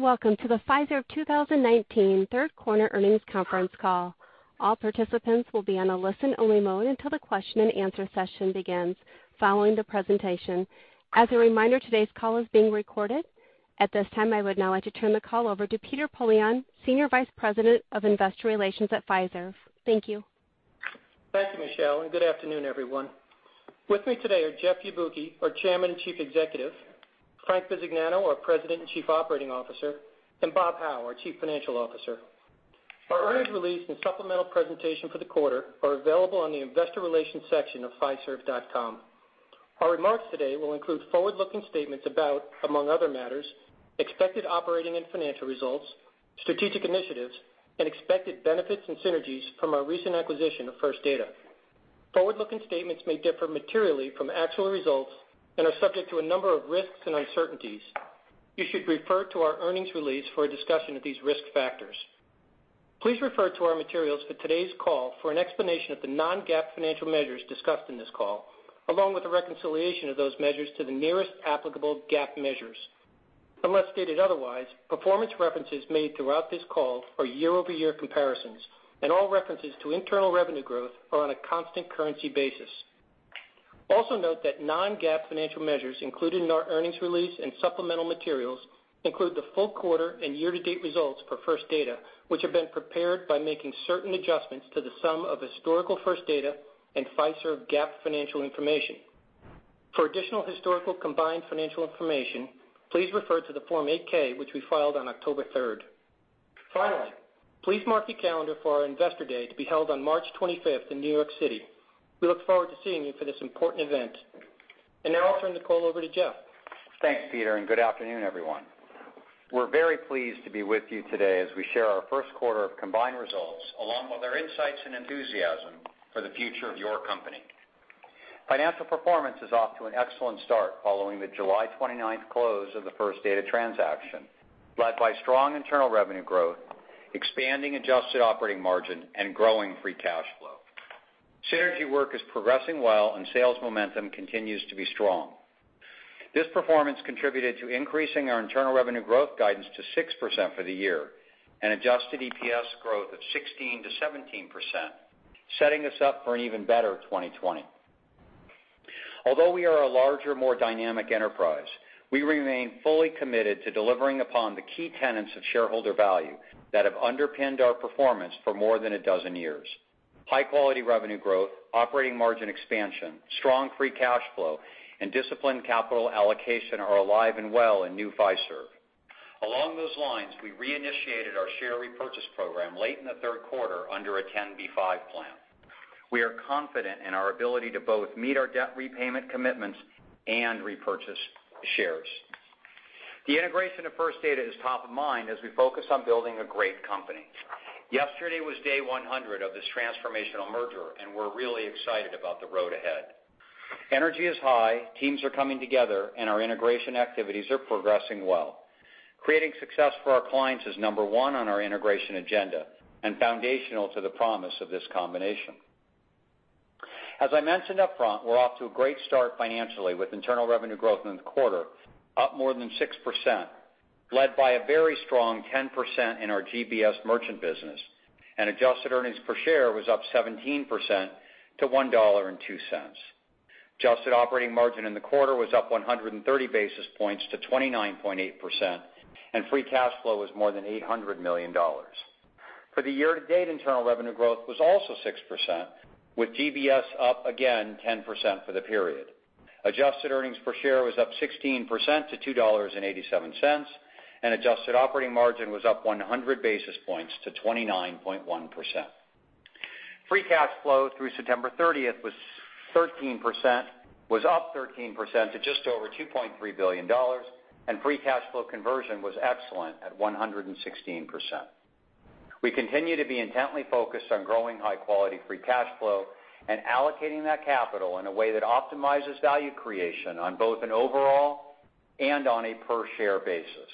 Welcome to the Fiserv 2019 third quarter earnings conference call. All participants will be on a listen-only mode until the question and answer session begins following the presentation. As a reminder, today's call is being recorded. At this time, I would now like to turn the call over to Peter Poillon, Senior Vice President of Investor Relations at Fiserv. Thank you. Thank you, Michelle, and good afternoon, everyone. With me today are Jeff Yabuki, our Chairman and Chief Executive, Frank Bisignano, our President and Chief Operating Officer, and Robert Hau, our Chief Financial Officer. Our earnings release and supplemental presentation for the quarter are available on the investor relations section of fiserv.com. Our remarks today will include forward-looking statements about, among other matters, expected operating and financial results, strategic initiatives, and expected benefits and synergies from our recent acquisition of First Data. Forward-looking statements may differ materially from actual results and are subject to a number of risks and uncertainties. You should refer to our earnings release for a discussion of these risk factors. Please refer to our materials for today's call for an explanation of the non-GAAP financial measures discussed in this call, along with a reconciliation of those measures to the nearest applicable GAAP measures. Unless stated otherwise, performance references made throughout this call are year-over-year comparisons, and all references to internal revenue growth are on a constant currency basis. Also note that non-GAAP financial measures included in our earnings release and supplemental materials include the full quarter and year-to-date results for First Data, which have been prepared by making certain adjustments to the sum of historical First Data and Fiserv GAAP financial information. For additional historical combined financial information, please refer to the Form 8-K, which we filed on October 3rd. Finally, please mark your calendar for our Investor Day to be held on March 25th in New York City. We look forward to seeing you for this important event. Now I'll turn the call over to Jeff. Thanks, Peter. Good afternoon, everyone. We're very pleased to be with you today as we share our first quarter of combined results, along with our insights and enthusiasm for the future of your company. Financial performance is off to an excellent start following the July 29th close of the First Data transaction, led by strong internal revenue growth, expanding adjusted operating margin, and growing free cash flow. Synergy work is progressing well. Sales momentum continues to be strong. This performance contributed to increasing our internal revenue growth guidance to 6% for the year and adjusted EPS growth of 16%-17%, setting us up for an even better 2020. Although we are a larger, more dynamic enterprise, we remain fully committed to delivering upon the key tenets of shareholder value that have underpinned our performance for more than a dozen years. High-quality revenue growth, operating margin expansion, strong free cash flow, and disciplined capital allocation are alive and well in new Fiserv. Along those lines, we reinitiated our share repurchase program late in the third quarter under a 10b5-1 plan. We are confident in our ability to both meet our debt repayment commitments and repurchase shares. The integration of First Data is top of mind as we focus on building a great company. Yesterday was day 100 of this transformational merger, and we're really excited about the road ahead. Energy is high, teams are coming together, and our integration activities are progressing well. Creating success for our clients is number one on our integration agenda and foundational to the promise of this combination. As I mentioned up front, we're off to a great start financially with internal revenue growth in the quarter up more than 6%, led by a very strong 10% in our GBS merchant business, and adjusted earnings per share was up 17% to $1.02. Adjusted operating margin in the quarter was up 130 basis points to 29.8%, and free cash flow was more than $800 million. For the year-to-date, internal revenue growth was also 6%, with GBS up again 10% for the period. Adjusted earnings per share was up 16% to $2.87, and adjusted operating margin was up 100 basis points to 29.1%. Free cash flow through September 30th was up 13% to just over $2.3 billion, and free cash flow conversion was excellent at 116%. We continue to be intently focused on growing high-quality free cash flow and allocating that capital in a way that optimizes value creation on both an overall and on a per share basis.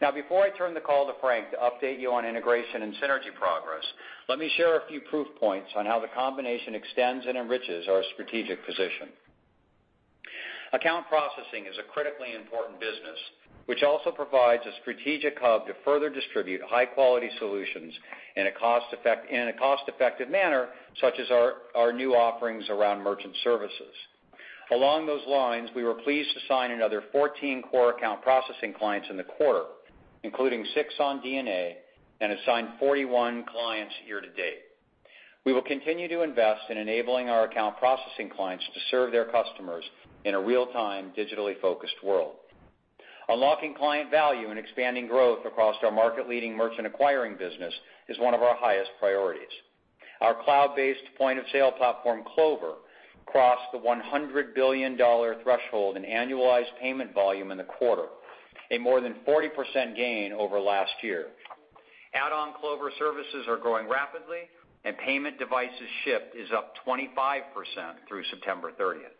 Now, before I turn the call to Frank to update you on integration and synergy progress, let me share a few proof points on how the combination extends and enriches our strategic position. Account processing is a critically important business, which also provides a strategic hub to further distribute high-quality solutions in a cost-effective manner, such as our new offerings around merchant services. Along those lines, we were pleased to sign another 14 core account processing clients in the quarter, including six on DNA, and have signed 41 clients year to date. We will continue to invest in enabling our account processing clients to serve their customers in a real-time, digitally-focused world. Unlocking client value and expanding growth across our market-leading merchant acquiring business is one of our highest priorities. Our cloud-based point-of-sale platform, Clover, crossed the $100 billion threshold in annualized payment volume in the quarter, a more than 40% gain over last year. Add-on Clover services are growing rapidly, and payment devices shipped is up 25% through September 30th.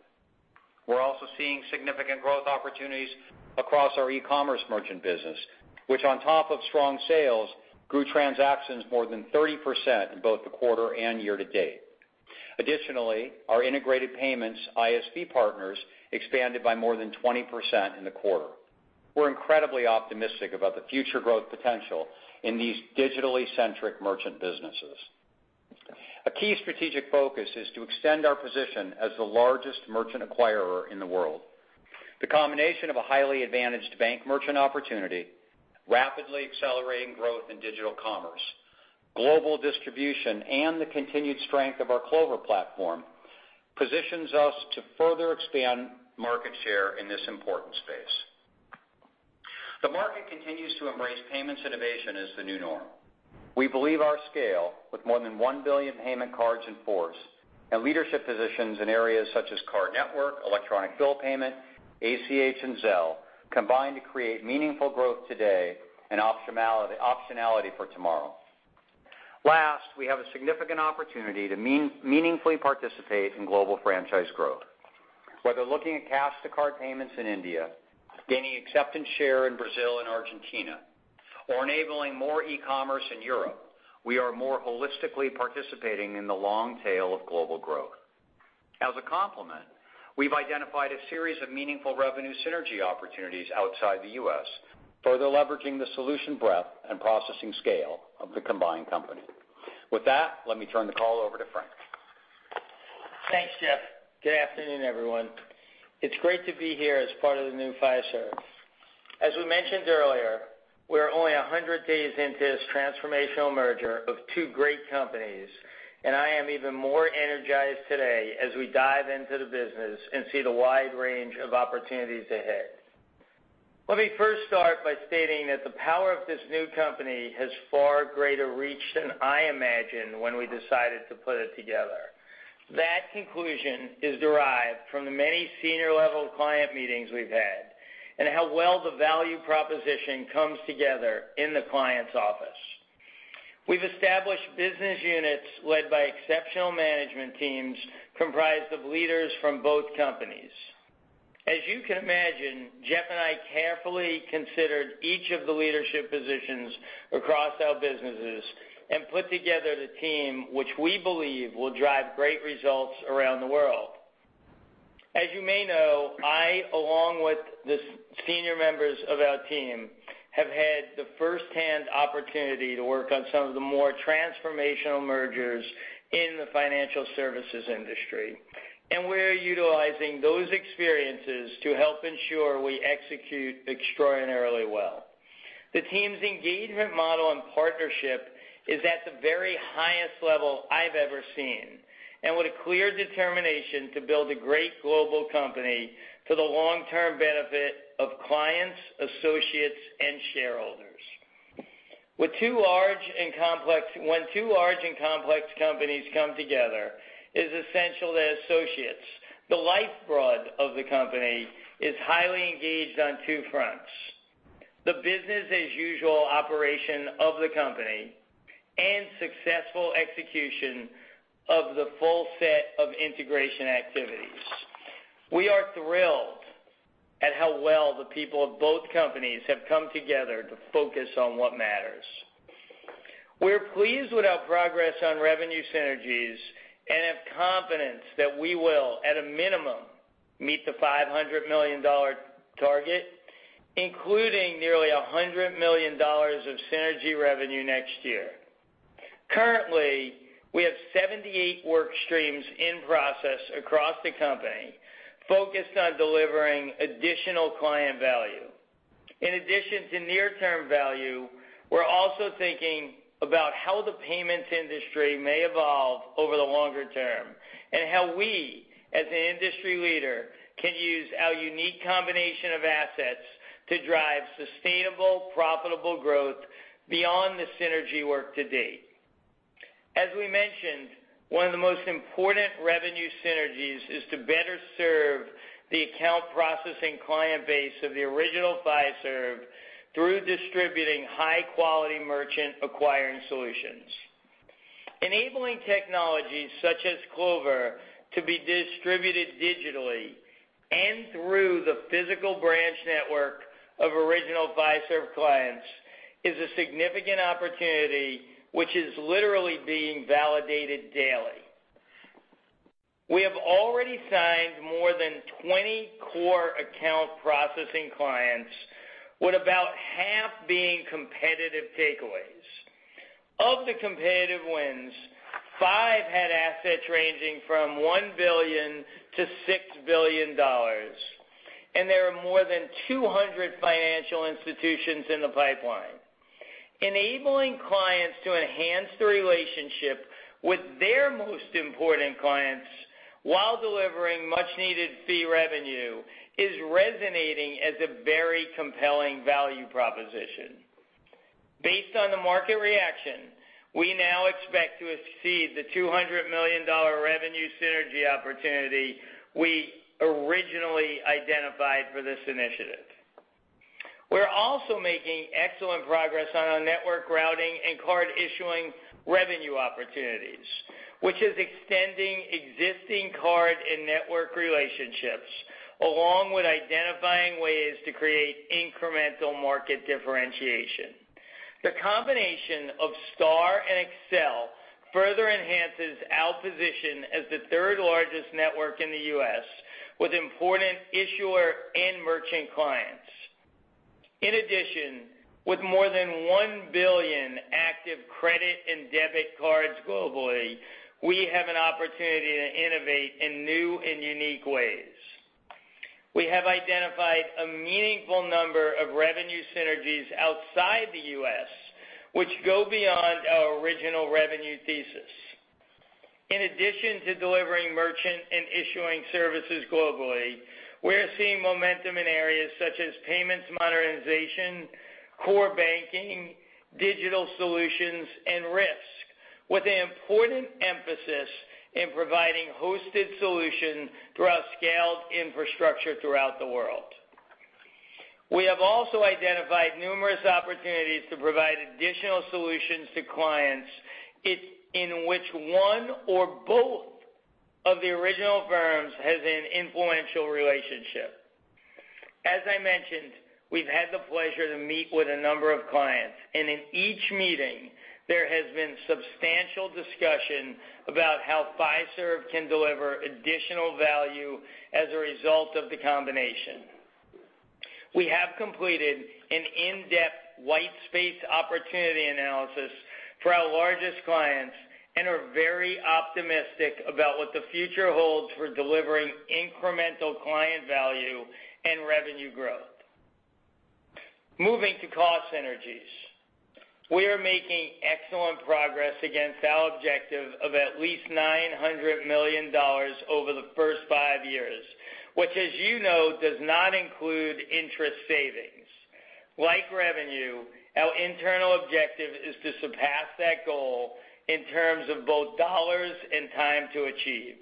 We're also seeing significant growth opportunities across our e-commerce merchant business, which on top of strong sales, grew transactions more than 30% in both the quarter and year to date. Additionally, our integrated payments, ISV partners expanded by more than 20% in the quarter. We're incredibly optimistic about the future growth potential in these digitally-centric merchant businesses. A key strategic focus is to extend our position as the largest merchant acquirer in the world. The combination of a highly advantaged bank merchant opportunity, rapidly accelerating growth in digital commerce, global distribution, and the continued strength of our Clover platform positions us to further expand market share in this important space. The market continues to embrace payments innovation as the new norm. We believe our scale, with more than 1 billion payment cards in force, and leadership positions in areas such as card network, electronic bill payment, ACH, and Zelle, combine to create meaningful growth today and optionality for tomorrow. Last, we have a significant opportunity to meaningfully participate in global franchise growth. Whether looking at cash to card payments in India, gaining acceptance share in Brazil and Argentina, or enabling more e-commerce in Europe, we are more holistically participating in the long tail of global growth. As a complement, we've identified a series of meaningful revenue synergy opportunities outside the U.S., further leveraging the solution breadth and processing scale of the combined company. With that, let me turn the call over to Frank. Thanks, Jeff. Good afternoon, everyone. It's great to be here as part of the new Fiserv. As we mentioned earlier, we are only 100 days into this transformational merger of two great companies, and I am even more energized today as we dive into the business and see the wide range of opportunities ahead. Let me first start by stating that the power of this new company has far greater reach than I imagined when we decided to put it together. That conclusion is derived from the many senior-level client meetings we've had and how well the value proposition comes together in the client's office. We've established business units led by exceptional management teams comprised of leaders from both companies. As you can imagine, Jeff and I carefully considered each of the leadership positions across our businesses and put together the team which we believe will drive great results around the world. As you may know, I, along with the senior members of our team, have had the first-hand opportunity to work on some of the more transformational mergers in the financial services industry, and we're utilizing those experiences to help ensure we execute extraordinarily well. The team's engagement model and partnership is at the very highest level I've ever seen, and with a clear determination to build a great global company for the long-term benefit of clients, associates, and shareholders. When two large and complex companies come together, it's essential that associates, the lifeblood of the company, is highly engaged on two fronts: the business as usual operation of the company and successful execution of the full set of integration activities. We are thrilled at how well the people of both companies have come together to focus on what matters. We're pleased with our progress on revenue synergies and have confidence that we will, at a minimum, meet the $500 million target, including nearly $100 million of synergy revenue next year. Currently, we have 78 work streams in process across the company focused on delivering additional client value. In addition to near-term value, we're also thinking about how the payments industry may evolve over the longer term, and how we, as an industry leader, can use our unique combination of assets to drive sustainable, profitable growth beyond the synergy work to date. As we mentioned, one of the most important revenue synergies is to better serve the account processing client base of the original Fiserv through distributing high-quality merchant acquiring solutions. Enabling technologies such as Clover to be distributed digitally and through the physical branch network of original Fiserv clients is a significant opportunity, which is literally being validated daily. We have already signed more than 20 core account processing clients, with about half being competitive takeaways. Of the competitive wins, five had assets ranging from $1 billion-$6 billion, and there are more than 200 financial institutions in the pipeline. Enabling clients to enhance the relationship with their most important clients while delivering much-needed fee revenue is resonating as a very compelling value proposition. Based on the market reaction, we now expect to exceed the $200 million revenue synergy opportunity we originally identified for this initiative. We're also making excellent progress on our network routing and card issuing revenue opportunities, which is extending existing card and network relationships, along with identifying ways to create incremental market differentiation. The combination of STAR and Accel further enhances our position as the third largest network in the U.S. with important issuer and merchant clients. In addition, with more than 1 billion active credit and debit cards globally, we have an opportunity to innovate in new and unique ways. We have identified a meaningful number of revenue synergies outside the U.S., which go beyond our original revenue thesis. In addition to delivering merchant and issuing services globally, we're seeing momentum in areas such as payments modernization, core banking, digital solutions, and risk with an important emphasis in providing hosted solution through our scaled infrastructure throughout the world. We have also identified numerous opportunities to provide additional solutions to clients in which one or both of the original firms has an influential relationship. As I mentioned, we've had the pleasure to meet with a number of clients. In each meeting, there has been substantial discussion about how Fiserv can deliver additional value as a result of the combination. We have completed an in-depth white space opportunity analysis for our largest clients and are very optimistic about what the future holds for delivering incremental client value and revenue growth. Moving to cost synergies. We are making excellent progress against our objective of at least $900 million over the first five years, which as you know does not include interest savings. Like revenue, our internal objective is to surpass that goal in terms of both dollars and time to achieve.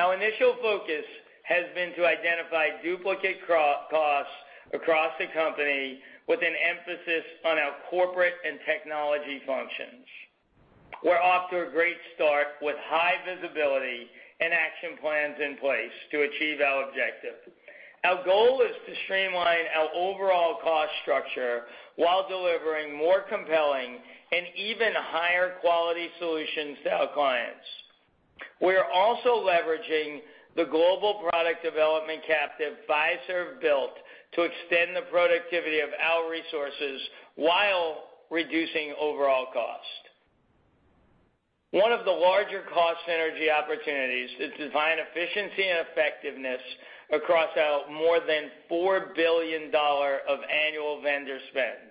Our initial focus has been to identify duplicate costs across the company with an emphasis on our corporate and technology functions. We're off to a great start with high visibility and action plans in place to achieve our objective. Our goal is to streamline our overall cost structure while delivering more compelling and even higher quality solutions to our clients. We are also leveraging the global product development captive Fiserv built to extend the productivity of our resources while reducing overall cost. One of the larger cost synergy opportunities is to find efficiency and effectiveness across our more than $4 billion of annual vendor spend.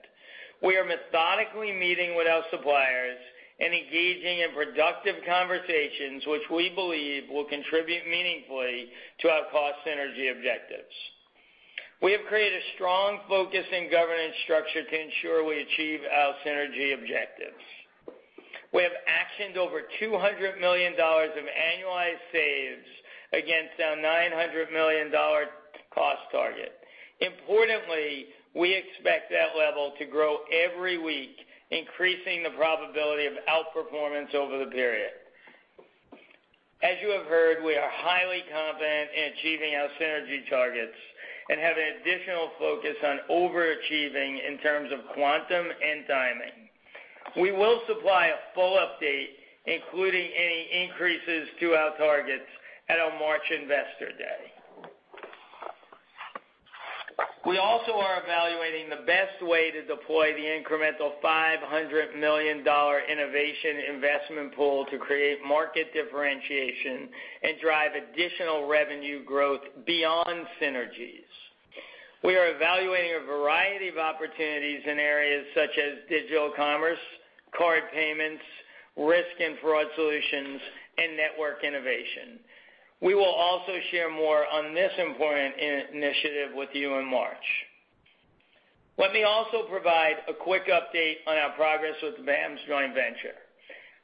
We are methodically meeting with our suppliers and engaging in productive conversations which we believe will contribute meaningfully to our cost synergy objectives. We have created a strong focus and governance structure to ensure we achieve our synergy objectives. We have actioned over $200 million of annualized saves against our $900 million cost target. Importantly, we expect that level to grow every week, increasing the probability of outperformance over the period. As you have heard, we are highly confident in achieving our synergy targets and have an additional focus on overachieving in terms of quantum and timing. We will supply a full update, including any increases to our targets at our March investor day. We also are evaluating the best way to deploy the incremental $500 million innovation investment pool to create market differentiation and drive additional revenue growth beyond synergies. We are evaluating a variety of opportunities in areas such as digital commerce, card payments, risk and fraud solutions, and network innovation. We will also share more on this important initiative with you in March. Let me also provide a quick update on our progress with the BAMS joint venture.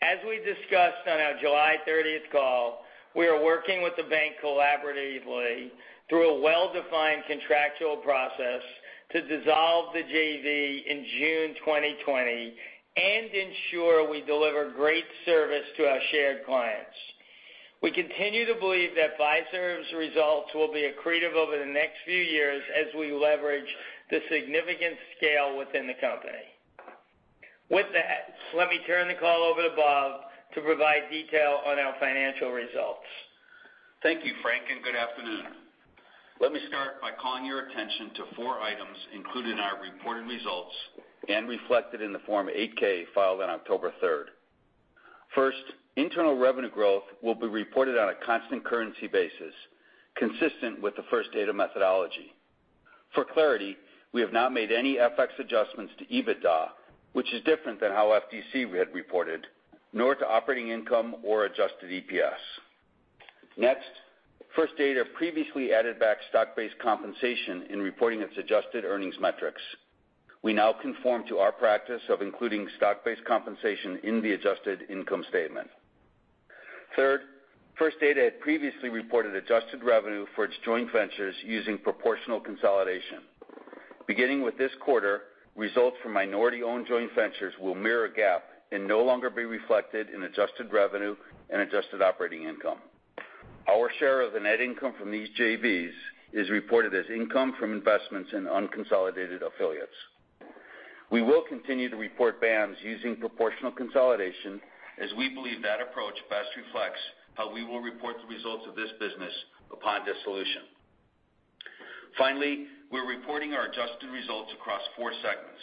As we discussed on our July 30th call, we are working with the bank collaboratively through a well-defined contractual process to dissolve the JV in June 2020 and ensure we deliver great service to our shared clients. We continue to believe that Fiserv's results will be accretive over the next few years as we leverage the significant scale within the company. With that, let me turn the call over to Bob to provide detail on our financial results. Thank you, Frank. Good afternoon. Let me start by calling your attention to four items included in our reported results and reflected in the Form 8-K filed on October 3rd. First, internal revenue growth will be reported on a constant currency basis consistent with the First Data methodology. For clarity, we have not made any FX adjustments to EBITDA, which is different than how FDC had reported nor to operating income or adjusted EPS. Next, First Data previously added back stock-based compensation in reporting its adjusted earnings metrics. We now conform to our practice of including stock-based compensation in the adjusted income statement. Third, First Data had previously reported adjusted revenue for its joint ventures using proportional consolidation. Beginning with this quarter, results from minority-owned joint ventures will mirror GAAP and no longer be reflected in adjusted revenue and adjusted operating income. Our share of the net income from these JVs is reported as income from investments in unconsolidated affiliates. We will continue to report BAMS using proportional consolidation, as we believe that approach best reflects how we will report the results of this business upon dissolution. Finally, we're reporting our adjusted results across four segments.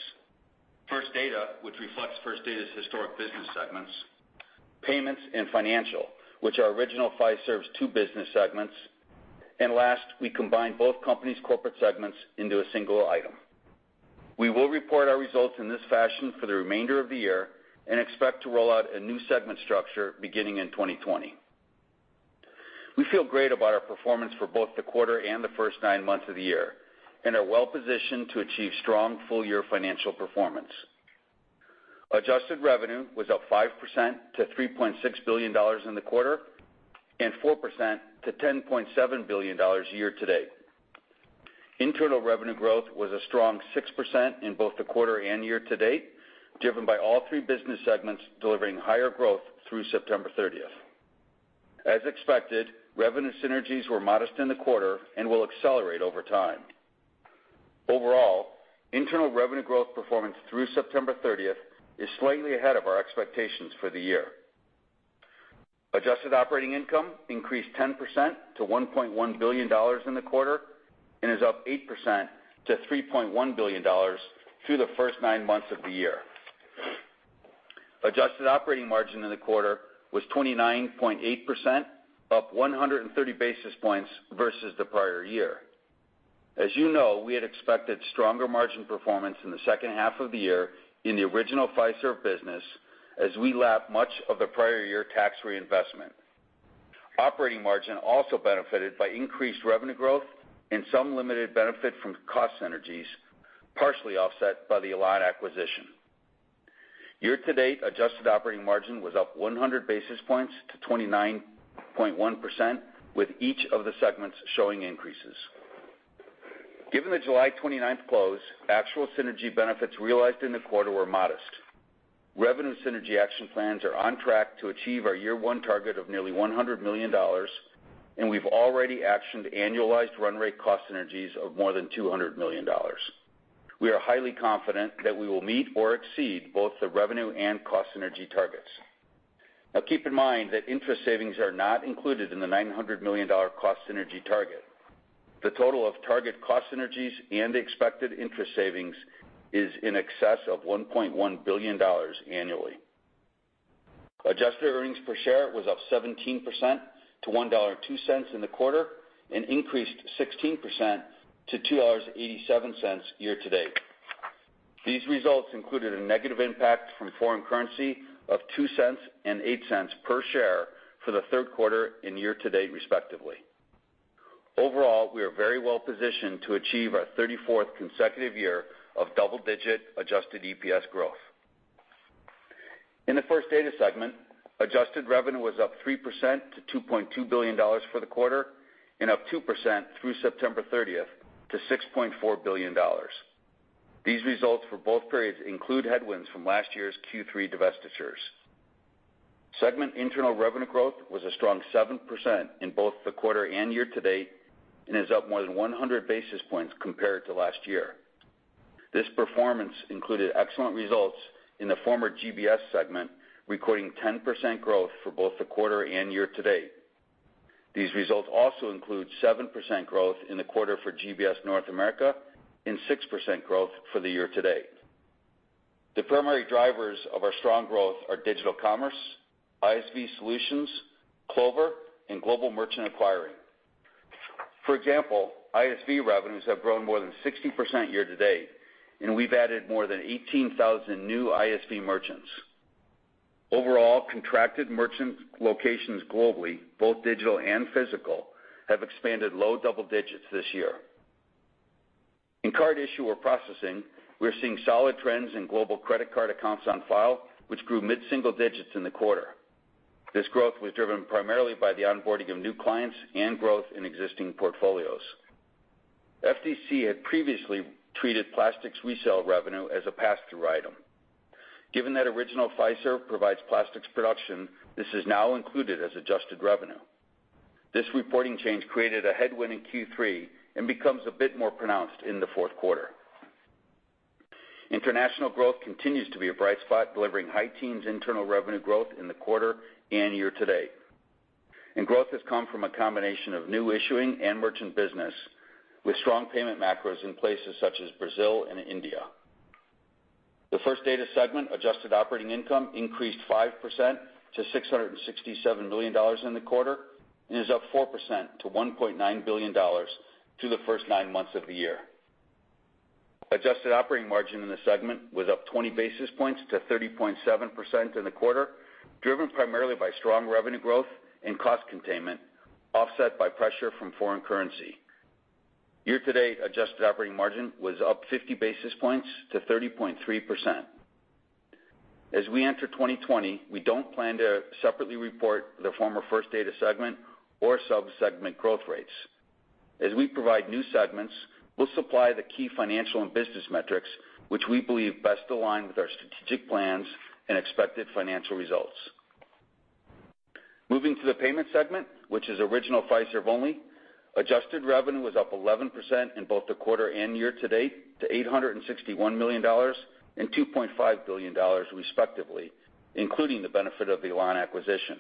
First Data, which reflects First Data's historic business segments, payments and financial, which are Original Fiserv's two business segments, and last, we combine both companies' corporate segments into a single item. We will report our results in this fashion for the remainder of the year, and expect to roll out a new segment structure beginning in 2020. We feel great about our performance for both the quarter and the first nine months of the year, and are well-positioned to achieve strong full-year financial performance. Adjusted revenue was up 5% to $3.6 billion in the quarter, and 4% to $10.7 billion year-to-date. Internal revenue growth was a strong 6% in both the quarter and year-to-date, driven by all three business segments delivering higher growth through September 30th. As expected, revenue synergies were modest in the quarter and will accelerate over time. Overall, internal revenue growth performance through September 30th is slightly ahead of our expectations for the year. Adjusted operating income increased 10% to $1.1 billion in the quarter and is up 8% to $3.1 billion through the first nine months of the year. Adjusted operating margin in the quarter was 29.8%, up 130 basis points versus the prior year. As you know, we had expected stronger margin performance in the second half of the year in the Original Fiserv business, as we lap much of the prior year tax reinvestment. Operating margin also benefited by increased revenue growth and some limited benefit from cost synergies, partially offset by the Elan acquisition. Year-to-date adjusted operating margin was up 100 basis points to 29.1%, with each of the segments showing increases. Given the July 29th close, actual synergy benefits realized in the quarter were modest. Revenue synergy action plans are on track to achieve our year one target of nearly $100 million. We've already actioned annualized run rate cost synergies of more than $200 million. We are highly confident that we will meet or exceed both the revenue and cost synergy targets. Now, keep in mind that interest savings are not included in the $900 million cost synergy target. The total of target cost synergies and the expected interest savings is in excess of $1.1 billion annually. Adjusted earnings per share was up 17% to $1.02 in the quarter, and increased 16% to $2.87 year-to-date. These results included a negative impact from foreign currency of $0.02 and $0.08 per share for the third quarter and year-to-date respectively. Overall, we are very well-positioned to achieve our 34th consecutive year of double-digit adjusted EPS growth. In the First Data segment, adjusted revenue was up 3% to $2.2 billion for the quarter, and up 2% through September 30th to $6.4 billion. These results for both periods include headwinds from last year's Q3 divestitures. Segment internal revenue growth was a strong 7% in both the quarter and year-to-date and is up more than 100 basis points compared to last year. This performance included excellent results in the former GBS segment, recording 10% growth for both the quarter and year-to-date. These results also include 7% growth in the quarter for GBS North America and 6% growth for the year-to-date. The primary drivers of our strong growth are digital commerce, ISV solutions, Clover, and global merchant acquiring. For example, ISV revenues have grown more than 16% year-to-date, and we've added more than 18,000 new ISV merchants. Overall, contracted merchant locations globally, both digital and physical, have expanded low double digits this year. In card issuer processing, we're seeing solid trends in global credit card accounts on file, which grew mid-single digits in the quarter. This growth was driven primarily by the onboarding of new clients and growth in existing portfolios. FDC had previously treated plastics resale revenue as a pass-through item. Given that Original Fiserv provides plastics production, this is now included as adjusted revenue. This reporting change created a headwind in Q3 and becomes a bit more pronounced in the fourth quarter. International growth continues to be a bright spot, delivering high teens internal revenue growth in the quarter and year-to-date. Growth has come from a combination of new issuing and merchant business, with strong payment macros in places such as Brazil and India. The First Data segment adjusted operating income increased 5% to $667 million in the quarter and is up 4% to $1.9 billion through the first nine months of the year. Adjusted operating margin in the segment was up 20 basis points to 30.7% in the quarter, driven primarily by strong revenue growth and cost containment, offset by pressure from foreign currency. Year-to-date adjusted operating margin was up 50 basis points to 30.3%. As we enter 2020, we don't plan to separately report the former First Data segment or sub-segment growth rates. As we provide new segments, we'll supply the key financial and business metrics which we believe best align with our strategic plans and expected financial results. Moving to the payment segment, which is original Fiserv only, adjusted revenue was up 11% in both the quarter and year to date, to $861 million and $2.5 billion respectively, including the benefit of the Elan acquisition.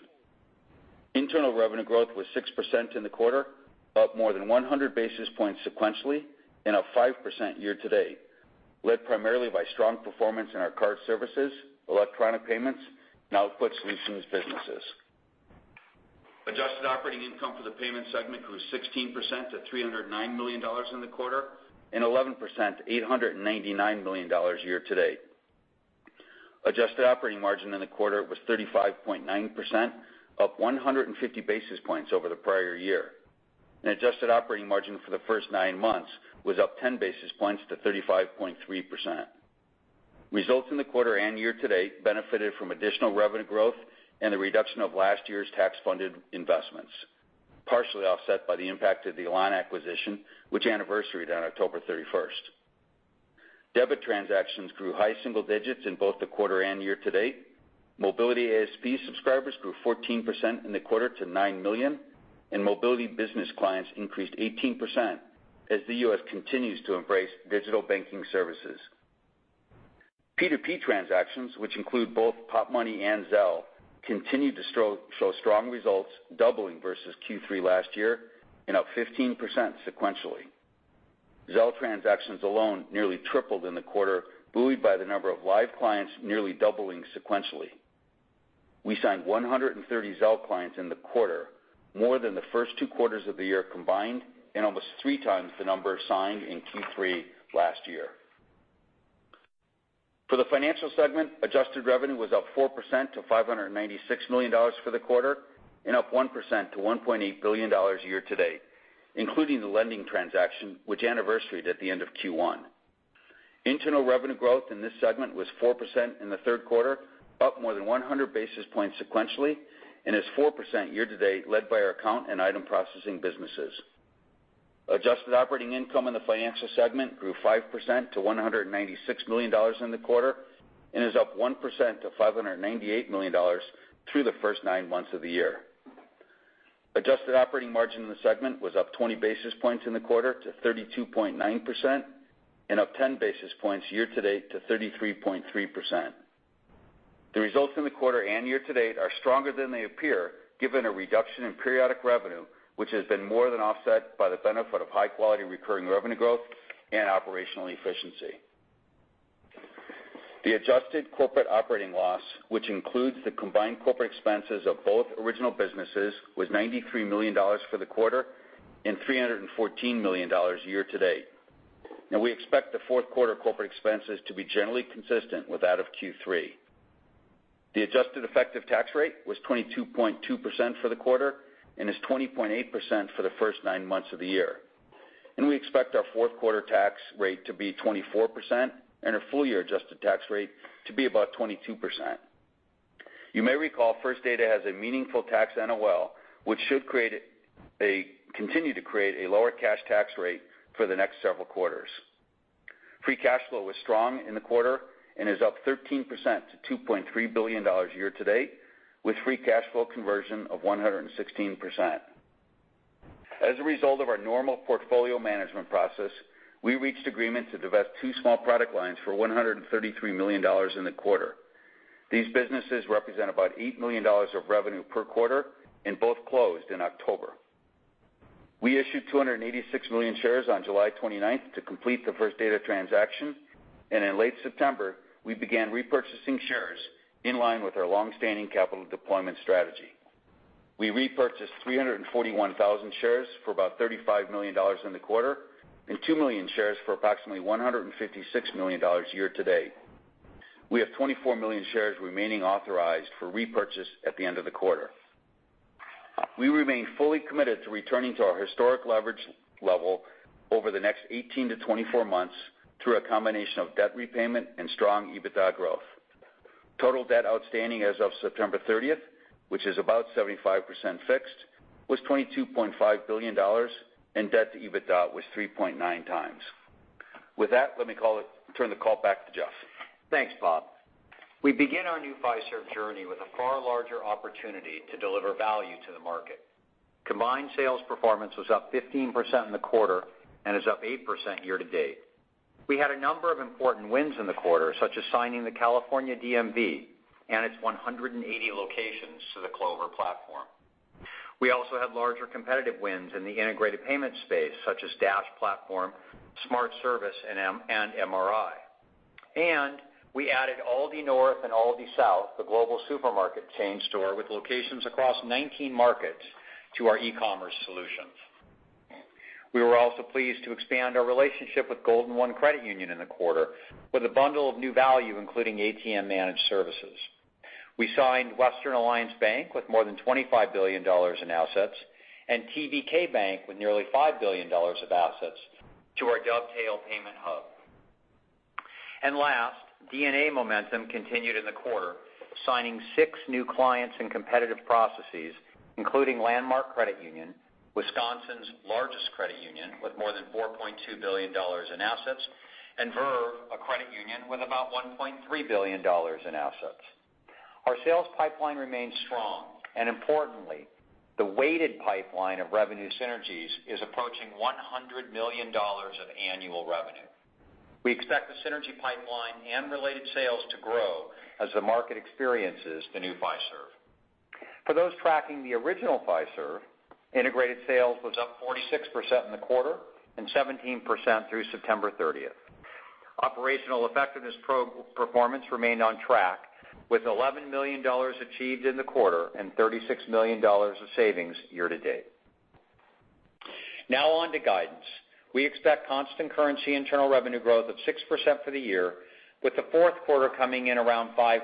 Internal revenue growth was 6% in the quarter, up more than 100 basis points sequentially, and up 5% year to date, led primarily by strong performance in our card services, electronic payments, and output solutions businesses. Adjusted operating income for the payments segment grew 16% to $309 million in the quarter and 11%, $899 million year to date. Adjusted operating margin in the quarter was 35.9%, up 150 basis points over the prior year. Adjusted operating margin for the first nine months was up 10 basis points to 35.3%. Results in the quarter and year-to-date benefited from additional revenue growth and the reduction of last year's tax-funded investments, partially offset by the impact of the Elan acquisition, which anniversaried on October 31st. Debit transactions grew high single digits in both the quarter and year-to-date. Mobiliti ASP subscribers grew 14% in the quarter to nine million, and mobility business clients increased 18% as the U.S. continues to embrace digital banking services. P2P transactions, which include both Popmoney and Zelle, continued to show strong results, doubling versus Q3 last year and up 15% sequentially. Zelle transactions alone nearly tripled in the quarter, buoyed by the number of live clients nearly doubling sequentially. We signed 130 Zelle clients in the quarter, more than the first two quarters of the year combined, and almost three times the number signed in Q3 last year. For the financial segment, adjusted revenue was up 4% to $596 million for the quarter, and up 1% to $1.8 billion year to date, including the lending transaction, which anniversaried at the end of Q1. Internal revenue growth in this segment was 4% in the third quarter, up more than 100 basis points sequentially, and is 4% year to date, led by our account and item processing businesses. Adjusted operating income in the financial segment grew 5% to $196 million in the quarter and is up 1% to $598 million through the first nine months of the year. Adjusted operating margin in the segment was up 20 basis points in the quarter to 32.9% and up 10 basis points year to date to 33.3%. The results in the quarter and year to date are stronger than they appear given a reduction in periodic revenue, which has been more than offset by the benefit of high-quality recurring revenue growth and operational efficiency. The adjusted corporate operating loss, which includes the combined corporate expenses of both original businesses, was $93 million for the quarter and $314 million year to date. Now we expect the fourth quarter corporate expenses to be generally consistent with that of Q3. The adjusted effective tax rate was 22.2% for the quarter and is 20.8% for the first nine months of the year. We expect our fourth quarter tax rate to be 24% and a full-year adjusted tax rate to be about 22%. You may recall First Data has a meaningful tax NOL, which should continue to create a lower cash tax rate for the next several quarters. Free cash flow was strong in the quarter and is up 13% to $2.3 billion year to date, with free cash flow conversion of 116%. As a result of our normal portfolio management process, we reached agreement to divest two small product lines for $133 million in the quarter. These businesses represent about $8 million of revenue per quarter and both closed in October. We issued 286 million shares on July 29th to complete the First Data transaction, and in late September, we began repurchasing shares in line with our long-standing capital deployment strategy. We repurchased 341,000 shares for about $35 million in the quarter and 2 million shares for approximately $156 million year to date. We have 24 million shares remaining authorized for repurchase at the end of the quarter. We remain fully committed to returning to our historic leverage level over the next 18 to 24 months through a combination of debt repayment and strong EBITDA growth. Total debt outstanding as of September 30th, which is about 75% fixed, was $22.5 billion, and debt to EBITDA was 3.9 times. With that, let me turn the call back to Jeff. Thanks, Bob. We begin our new Fiserv journey with a far larger opportunity to deliver value to the market. Combined sales performance was up 15% in the quarter and is up 8% year-to-date. We had a number of important wins in the quarter, such as signing the California DMV and its 180 locations to the Clover platform. We also had larger competitive wins in the integrated payment space, such as Dash Platform, Smart Service, and MRI. We added Aldi Nord and Aldi Süd, the global supermarket chain store with locations across 19 markets, to our e-commerce solutions. We were also pleased to expand our relationship with Golden 1 Credit Union in the quarter with a bundle of new value, including ATM managed services. We signed Western Alliance Bank with more than $25 billion in assets and TBK Bank with nearly $5 billion of assets to our Dovetail payment hub. Last, DNA momentum continued in the quarter, signing six new clients in competitive processes, including Landmark Credit Union, Wisconsin's largest credit union with more than $4.2 billion in assets, and Verve, a Credit Union with about $1.3 billion in assets. Our sales pipeline remains strong, and importantly, the weighted pipeline of revenue synergies is approaching $100 million of annual revenue. We expect the synergy pipeline and related sales to grow as the market experiences the new Fiserv. For those tracking the original Fiserv, integrated sales was up 46% in the quarter and 17% through September 30th. Operational effectiveness performance remained on track with $11 million achieved in the quarter and $36 million of savings year to date. On to guidance. We expect constant currency internal revenue growth of 6% for the year, with the fourth quarter coming in around 5%,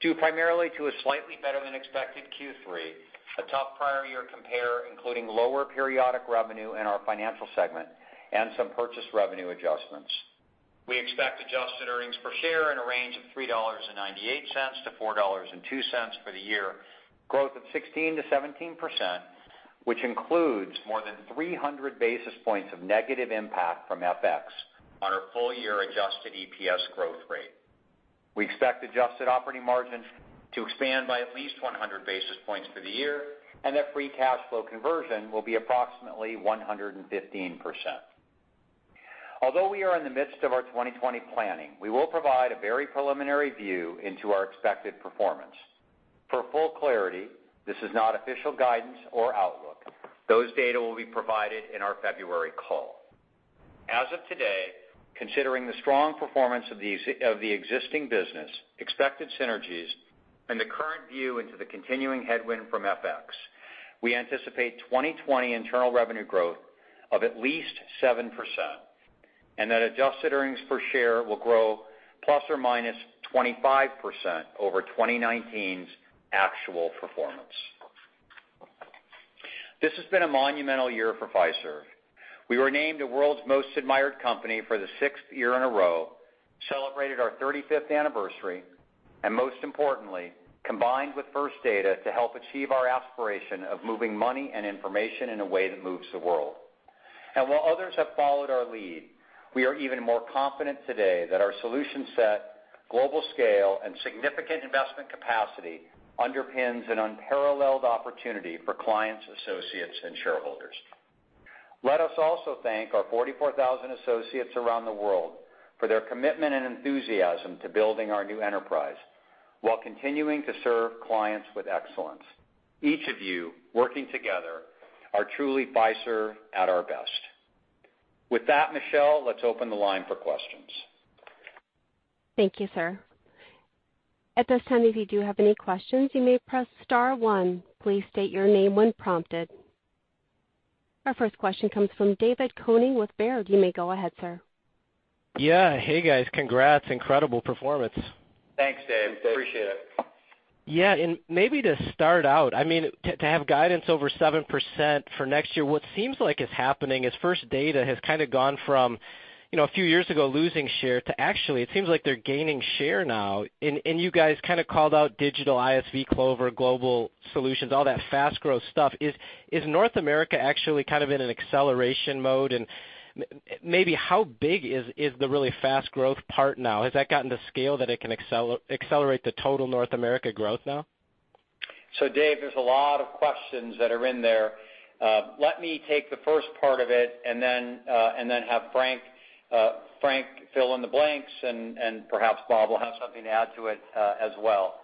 due primarily to a slightly better than expected Q3, a tough prior year compare, including lower periodic revenue in our financial segment and some purchase revenue adjustments. We expect adjusted earnings per share in a range of $3.98-$4.02 for the year, growth of 16%-17%, which includes more than 300 basis points of negative impact from FX on our full year adjusted EPS growth rate. We expect adjusted operating margin to expand by at least 100 basis points for the year, and that free cash flow conversion will be approximately 115%. Although we are in the midst of our 2020 planning, we will provide a very preliminary view into our expected performance. For full clarity, this is not official guidance or outlook. Those data will be provided in our February call. As of today, considering the strong performance of the existing business, expected synergies, and the current view into the continuing headwind from FX, we anticipate 2020 internal revenue growth of at least 7%, and that adjusted earnings per share will grow ±25% over 2019's actual performance. This has been a monumental year for Fiserv. We were named the world's most admired company for the sixth year in a row, celebrated our 35th anniversary, and most importantly, combined with First Data to help achieve our aspiration of moving money and information in a way that moves the world. While others have followed our lead, we are even more confident today that our solution set, global scale, and significant investment capacity underpins an unparalleled opportunity for clients, associates, and shareholders. Let us also thank our 44,000 associates around the world for their commitment and enthusiasm to building our new enterprise while continuing to serve clients with excellence. Each of you working together are truly Fiserv at our best. With that, Michelle, let's open the line for questions. Thank you, sir. At this time, if you do have any questions, you may press star one. Please state your name when prompted. Our first question comes from David Koning with Baird. You may go ahead, sir. Yeah. Hey, guys. Congrats. Incredible performance. Thanks, Dave. Appreciate it. Yeah. Maybe to start out, to have guidance over 7% for next year, what seems like is happening is First Data has kind of gone from a few years ago losing share to actually, it seems like they're gaining share now, and you guys kind of called out digital ISV, Clover, Global Solutions, all that fast growth stuff. Is North America actually kind of in an acceleration mode? Maybe how big is the really fast growth part now? Has that gotten to scale that it can accelerate the total North America growth now? Dave, there's a lot of questions that are in there. Let me take the first part of it and then have Frank fill in the blanks, and perhaps Bob will have something to add to it as well.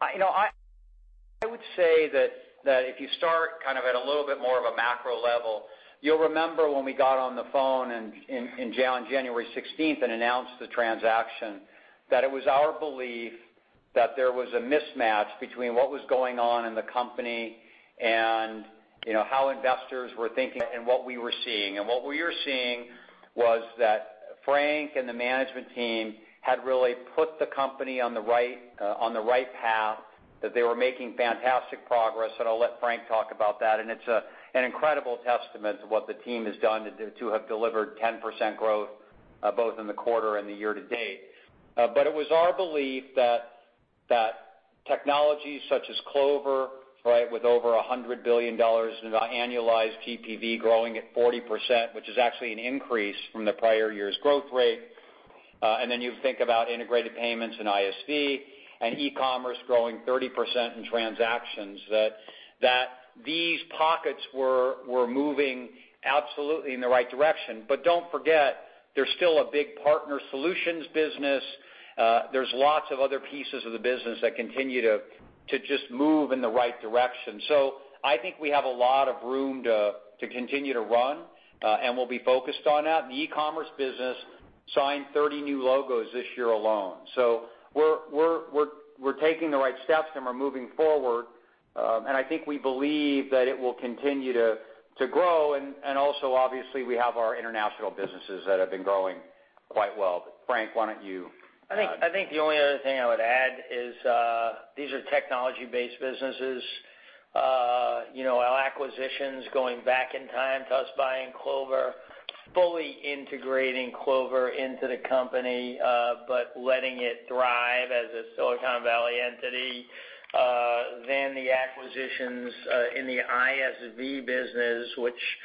I would say that if you start kind of at a little bit more of a macro level, you'll remember when we got on the phone on January 16 and announced the transaction, that it was our belief that there was a mismatch between what was going on in the company and how investors were thinking and what we were seeing. What we were seeing was that Frank and the management team had really put the company on the right path, that they were making fantastic progress. I'll let Frank talk about that. It's an incredible testament to what the team has done to have delivered 10% growth both in the quarter and the year to date. It was our belief that technology such as Clover, with over $100 billion in annualized TPV growing at 40%, which is actually an increase from the prior year's growth rate. Then you think about integrated payments and ISV and e-commerce growing 30% in transactions, that these pockets were moving absolutely in the right direction. Don't forget, there's still a big partner solutions business. There's lots of other pieces of the business that continue to just move in the right direction. I think we have a lot of room to continue to run, and we'll be focused on that. The e-commerce business signed 30 new logos this year alone. We're taking the right steps and we're moving forward. I think we believe that it will continue to grow. Also, obviously, we have our international businesses that have been growing quite well. Frank, why don't you add? I think the only other thing I would add is these are technology-based businesses. Our acquisitions going back in time to us buying Clover, fully integrating Clover into the company, but letting it thrive as a Silicon Valley entity. The acquisitions in the ISV business, which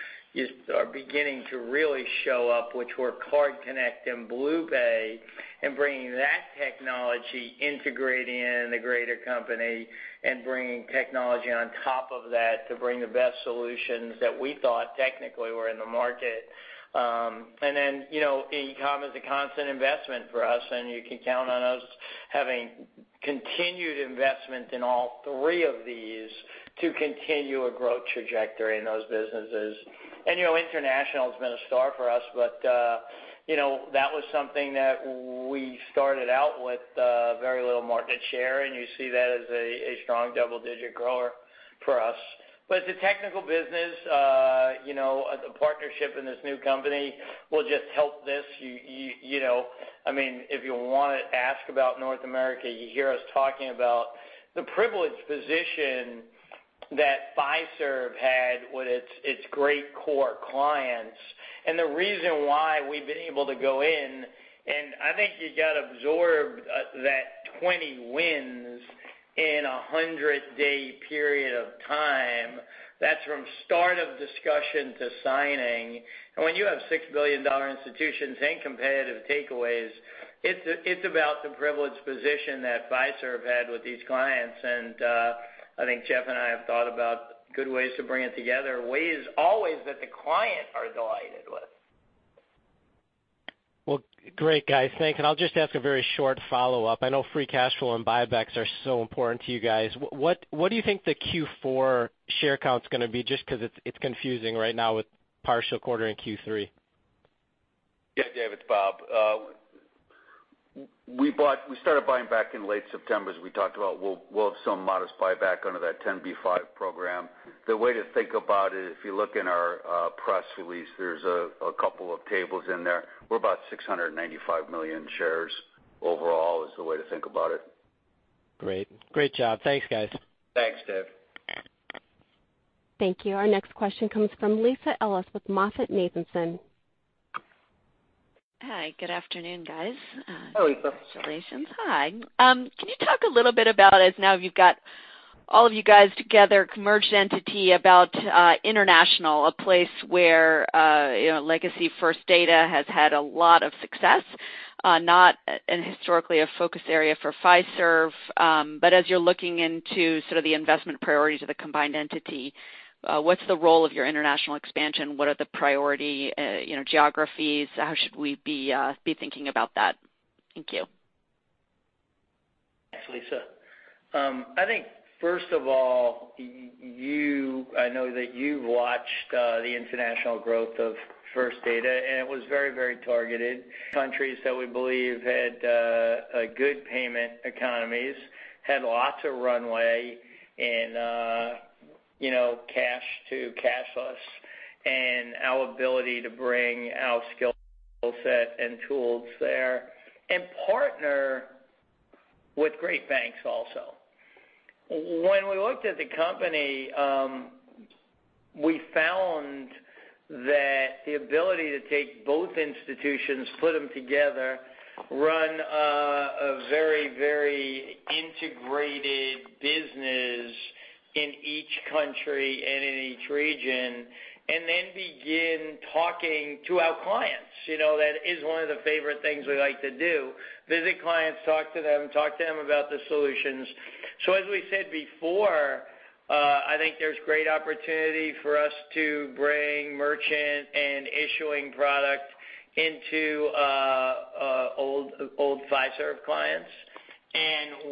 are beginning to really show up, which were CardConnect and BluePay, and bringing that technology, integrating it in the greater company, and bringing technology on top of that to bring the best solutions that we thought technically were in the market. E-com is a constant investment for us, and you can count on us having continued investment in all three of these to continue a growth trajectory in those businesses. International has been a star for us, but that was something that we started out with very little market share, and you see that as a strong double-digit grower for us. It's a technical business. The partnership in this new company will just help this. If you want to ask about North America, you hear us talking about the privileged position that Fiserv had with its great core clients and the reason why we've been able to go in. I think you got to absorb that 20 wins in 100-day period of time. That's from start of discussion to signing. When you have $6 billion institutions and competitive takeaways, it's about the privileged position that Fiserv had with these clients. I think Jeff and I have thought about good ways to bring it together, ways always that the client are delighted with. Well, great guys. Thanks. I'll just ask a very short follow-up. I know free cash flow and buybacks are so important to you guys. What do you think the Q4 share count's going to be, just because it's confusing right now with partial quarter in Q3? Yeah, Dave, it's Bob. We started buying back in late September, as we talked about. We'll have some modest buyback under that 10b5-1 program. The way to think about it, if you look in our press release, there's a couple of tables in there. We're about 695 million shares overall, is the way to think about it. Great. Great job. Thanks, guys. Thanks, Dave. Thank you. Our next question comes from Lisa Ellis with MoffettNathanson. Hi, good afternoon, guys. Hi, Lisa. Congratulations. Hi. Can you talk a little bit about, as now you've got all of you guys together, merged entity, about international, a place where legacy First Data has had a lot of success. Not historically a focus area for Fiserv. As you're looking into sort of the investment priorities of the combined entity, what's the role of your international expansion? What are the priority geographies? How should we be thinking about that? Thank you. Thanks, Lisa. I think first of all, I know that you've watched the international growth of First Data, and it was very targeted. Countries that we believe had good payment economies, had lots of runway in cash to cashless, and our ability to bring our skill set and tools there, and partner with great banks also. When we looked at the company, we found that the ability to take both institutions, put them together, run a very integrated business in each country and in each region, and then begin talking to our clients. That is one of the favorite things we like to do, visit clients, talk to them, talk to them about the solutions. As we said before, I think there's great opportunity for us to bring merchant and issuing product into old Fiserv clients.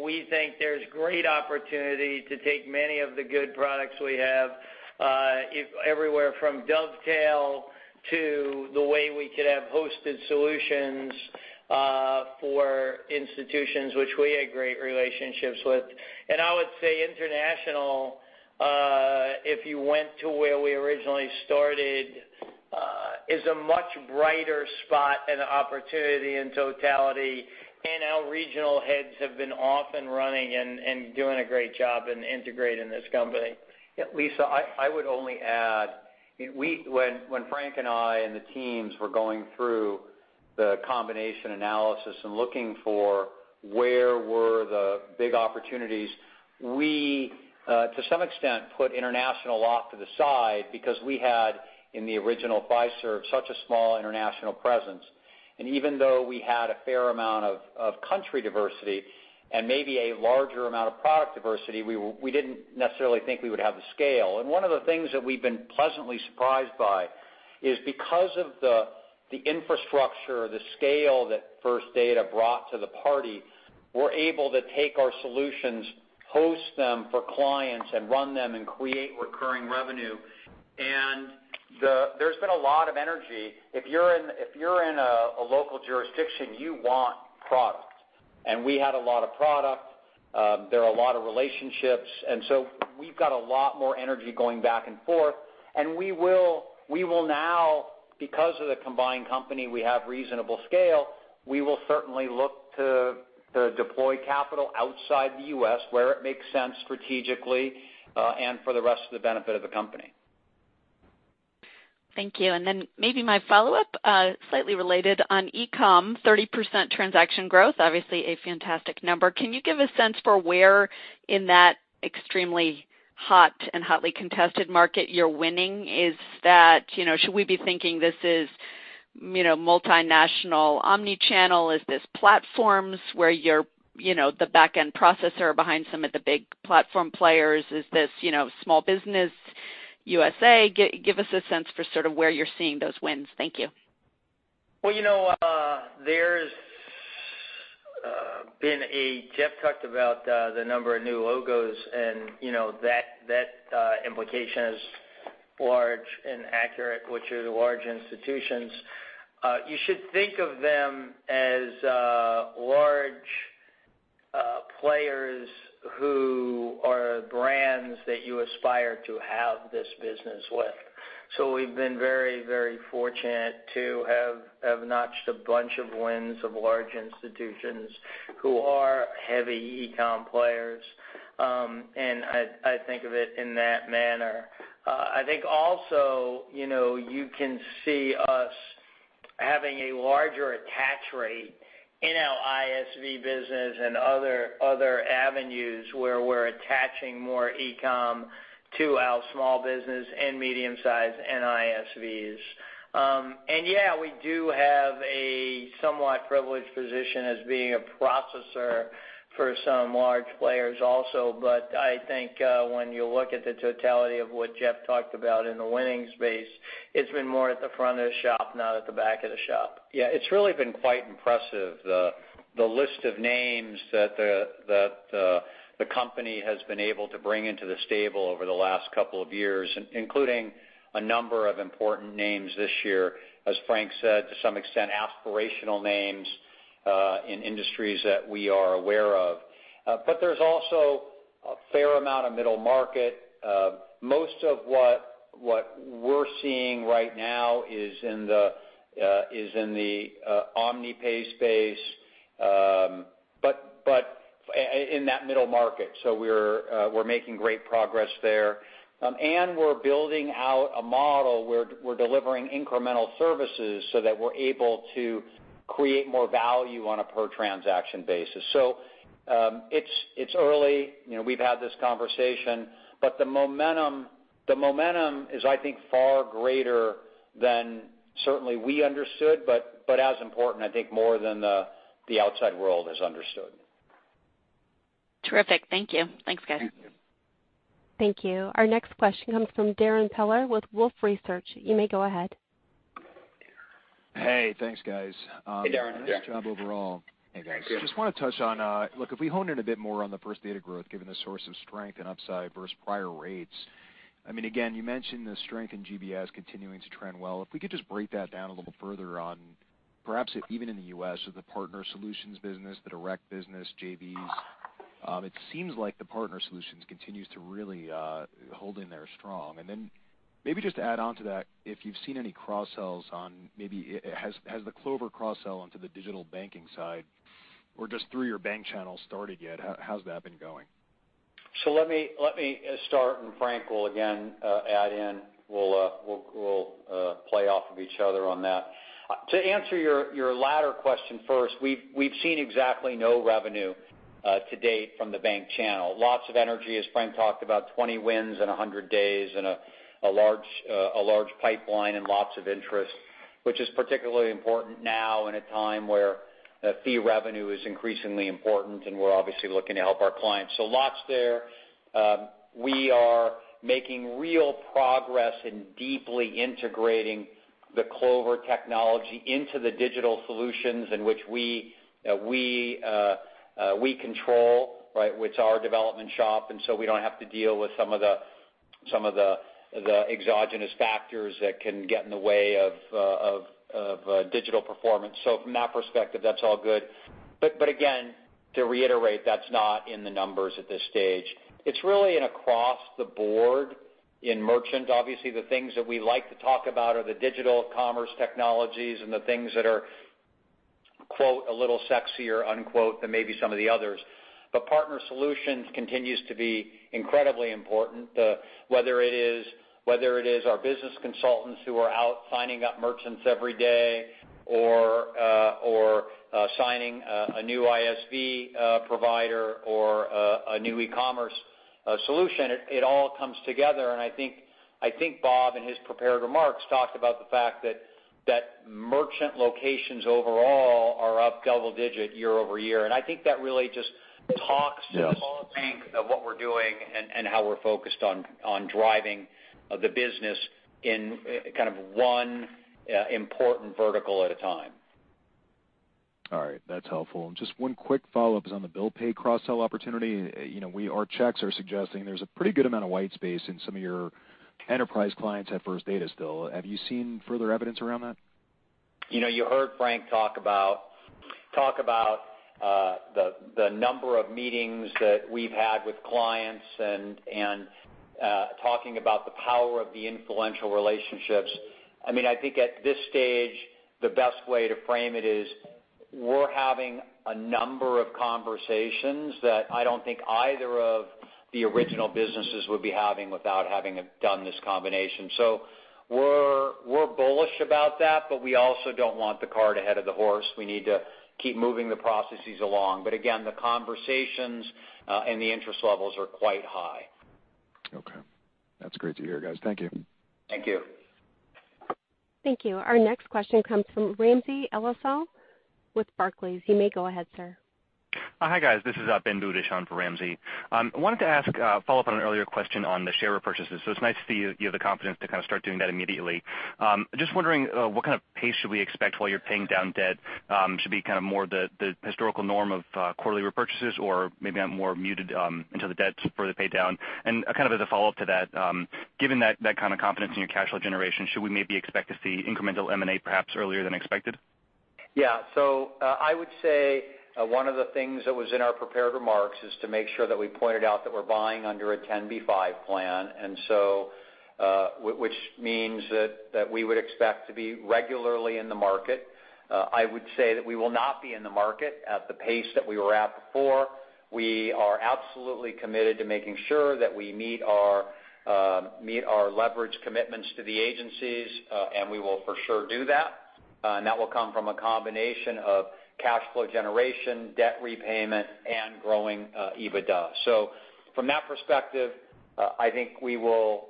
We think there's great opportunity to take many of the good products we have everywhere from Dovetail to the way we could have hosted solutions for institutions which we had great relationships with. I would say international, if you went to where we originally started, is a much brighter spot and opportunity in totality. Our regional heads have been off and running and doing a great job in integrating this company. Yeah, Lisa, I would only add, when Frank and I and the teams were going through the combination analysis and looking for where were the big opportunities, we to some extent put international off to the side because we had, in the original Fiserv, such a small international presence. Even though we had a fair amount of country diversity and maybe a larger amount of product diversity, we didn't necessarily think we would have the scale. One of the things that we've been pleasantly surprised by is because of the infrastructure, the scale that First Data brought to the party, we're able to take our solutions, host them for clients and run them and create recurring revenue. There's been a lot of energy. If you're in a local jurisdiction, you want product. We had a lot of product. There are a lot of relationships. We've got a lot more energy going back and forth. We will now, because of the combined company, we have reasonable scale. We will certainly look to deploy capital outside the U.S. where it makes sense strategically and for the rest of the benefit of the company. Thank you. Maybe my follow-up, slightly related on e-com, 30% transaction growth, obviously a fantastic number. Can you give a sense for where in that extremely hot and hotly contested market you're winning? Should we be thinking this is multinational omni-channel? Is this platforms where you're the back-end processor behind some of the big platform players? Is this small business USA? Give us a sense for sort of where you're seeing those wins. Thank you. Well, Jeff talked about the number of new logos and that implication is large and accurate, which are the large institutions. You should think of them as large players who are brands that you aspire to have this business with. We've been very fortunate to have notched a bunch of wins of large institutions who are heavy e-com players. I think of it in that manner. I think also, you can see us having a larger attach rate in our ISV business and other avenues where we're attaching more e-com to our small business and medium size and ISVs. Yeah, we do have a somewhat privileged position as being a processor for some large players also. I think when you look at the totality of what Jeff talked about in the winning space, it's been more at the front of the shop, not at the back of the shop. Yeah, it's really been quite impressive the list of names that the company has been able to bring into the stable over the last couple of years, including a number of important names this year, as Frank said, to some extent, aspirational names, in industries that we are aware of. There's also a fair amount of middle market. Most of what we're seeing right now is in the OmniPay space but in that middle market. We're making great progress there. We're building out a model where we're delivering incremental services so that we're able to create more value on a per transaction basis. It's early, we've had this conversation, but the momentum is, I think, far greater than certainly we understood, but as important, I think, more than the outside world has understood. Terrific. Thank you. Thanks, guys. Thank you. Thank you. Our next question comes from Darrin Peller with Wolfe Research. You may go ahead. Hey, thanks guys. Hey, Darrin. Hey, Darrin. Nice job overall. Thanks. Just want to touch on, if we hone in a bit more on the First Data growth, given the source of strength and upside versus prior rates. You mentioned the strength in GBS continuing to trend well. If we could just break that down a little further on perhaps even in the U.S. or the partner solutions business, the direct business JVs. It seems like the partner solutions continues to really hold in there strong. Maybe just to add onto that, if you've seen any cross-sells on, has the Clover cross-sell onto the digital banking side or just through your bank channel started yet? How's that been going? Let me start and Frank will again add in. We'll play off of each other on that. To answer your latter question first, we've seen exactly no revenue to date from the bank channel. Lots of energy, as Frank talked about, 20 wins in 100 days and a large pipeline and lots of interest, which is particularly important now in a time where fee revenue is increasingly important, and we're obviously looking to help our clients. Lots there. We are making real progress in deeply integrating the Clover technology into the digital solutions in which we control, with our development shop. We don't have to deal with some of the exogenous factors that can get in the way of digital performance. From that perspective, that's all good. Again, to reiterate, that's not in the numbers at this stage. It's really an across the board in merchant. Obviously, the things that we like to talk about are the digital commerce technologies and the things that are "a little sexier" than maybe some of the others. Partner solutions continues to be incredibly important. Whether it is our business consultants who are out signing up merchants every day or signing a new ISV provider or a new e-commerce solution, it all comes together. I think Bob in his prepared remarks talked about the fact that merchant locations overall are up double-digit year-over-year. I think that really just talks. Yes the whole bank of what we're doing and how we're focused on driving the business in kind of one important vertical at a time. All right. That's helpful. Just one quick follow-up is on the bill pay cross-sell opportunity. Our checks are suggesting there's a pretty good amount of white space in some of your enterprise clients at First Data still. Have you seen further evidence around that? You heard Frank talk about the number of meetings that we've had with clients and talking about the power of the influential relationships. I think at this stage, the best way to frame it is. We're having a number of conversations that I don't think either of the original businesses would be having without having done this combination. We're bullish about that. We also don't want the cart ahead of the horse. We need to keep moving the processes along. Again, the conversations and the interest levels are quite high. Okay. That's great to hear, guys. Thank you. Thank you. Thank you. Our next question comes from Ramsey El-Assal with Barclays. You may go ahead, sir. Hi, guys. This is Ben Budish on for Ramsey. I wanted to ask a follow-up on an earlier question on the share repurchases. It's nice to see you have the confidence to kind of start doing that immediately. Just wondering what kind of pace should we expect while you're paying down debt? Should be kind of more the historical norm of quarterly repurchases, or maybe more muted until the debt's further paid down? Kind of as a follow-up to that, given that kind of confidence in your cash flow generation, should we maybe expect to see incremental M&A perhaps earlier than expected? Yeah. I would say one of the things that was in our prepared remarks is to make sure that we pointed out that we're buying under a 10b5 plan. Which means that we would expect to be regularly in the market. I would say that we will not be in the market at the pace that we were at before. We are absolutely committed to making sure that we meet our leverage commitments to the agencies. We will for sure do that. That will come from a combination of cash flow generation, debt repayment, and growing EBITDA. From that perspective, I think we will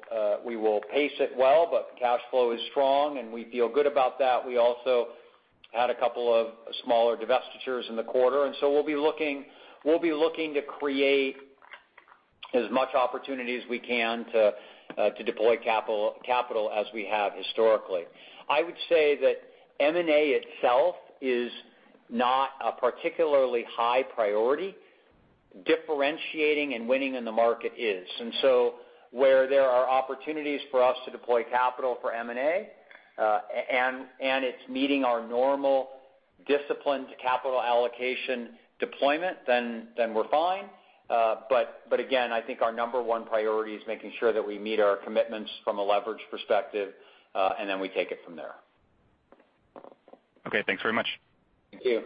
pace it well. Cash flow is strong, and we feel good about that. We also had a couple of smaller divestitures in the quarter. We'll be looking to create as much opportunity as we can to deploy capital as we have historically. I would say that M&A itself is not a particularly high priority. Differentiating and winning in the market is. Where there are opportunities for us to deploy capital for M&A, and it's meeting our normal disciplined capital allocation deployment, then we're fine. Again, I think our number one priority is making sure that we meet our commitments from a leverage perspective, and then we take it from there. Okay, thanks very much. Thank you.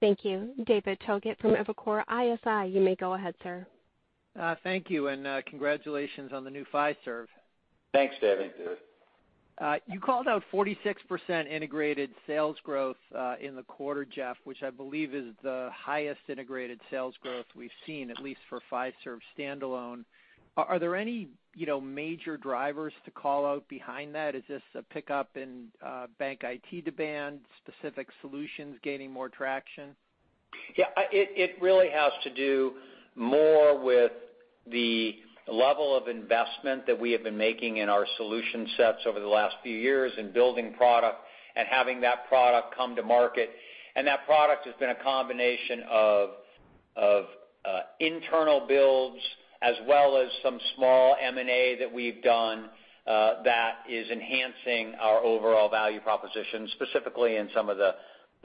Thank you. David Togut from Evercore ISI, you may go ahead, sir. Thank you. Congratulations on the new Fiserv. Thanks, David. You called out 46% integrated sales growth in the quarter, Jeff, which I believe is the highest integrated sales growth we've seen, at least for Fiserv standalone. Are there any major drivers to call out behind that? Is this a pickup in bank IT demand, specific solutions gaining more traction? Yeah, it really has to do more with the level of investment that we have been making in our solution sets over the last few years in building product and having that product come to market. That product has been a combination of internal builds as well as some small M&A that we've done that is enhancing our overall value proposition, specifically in some of the,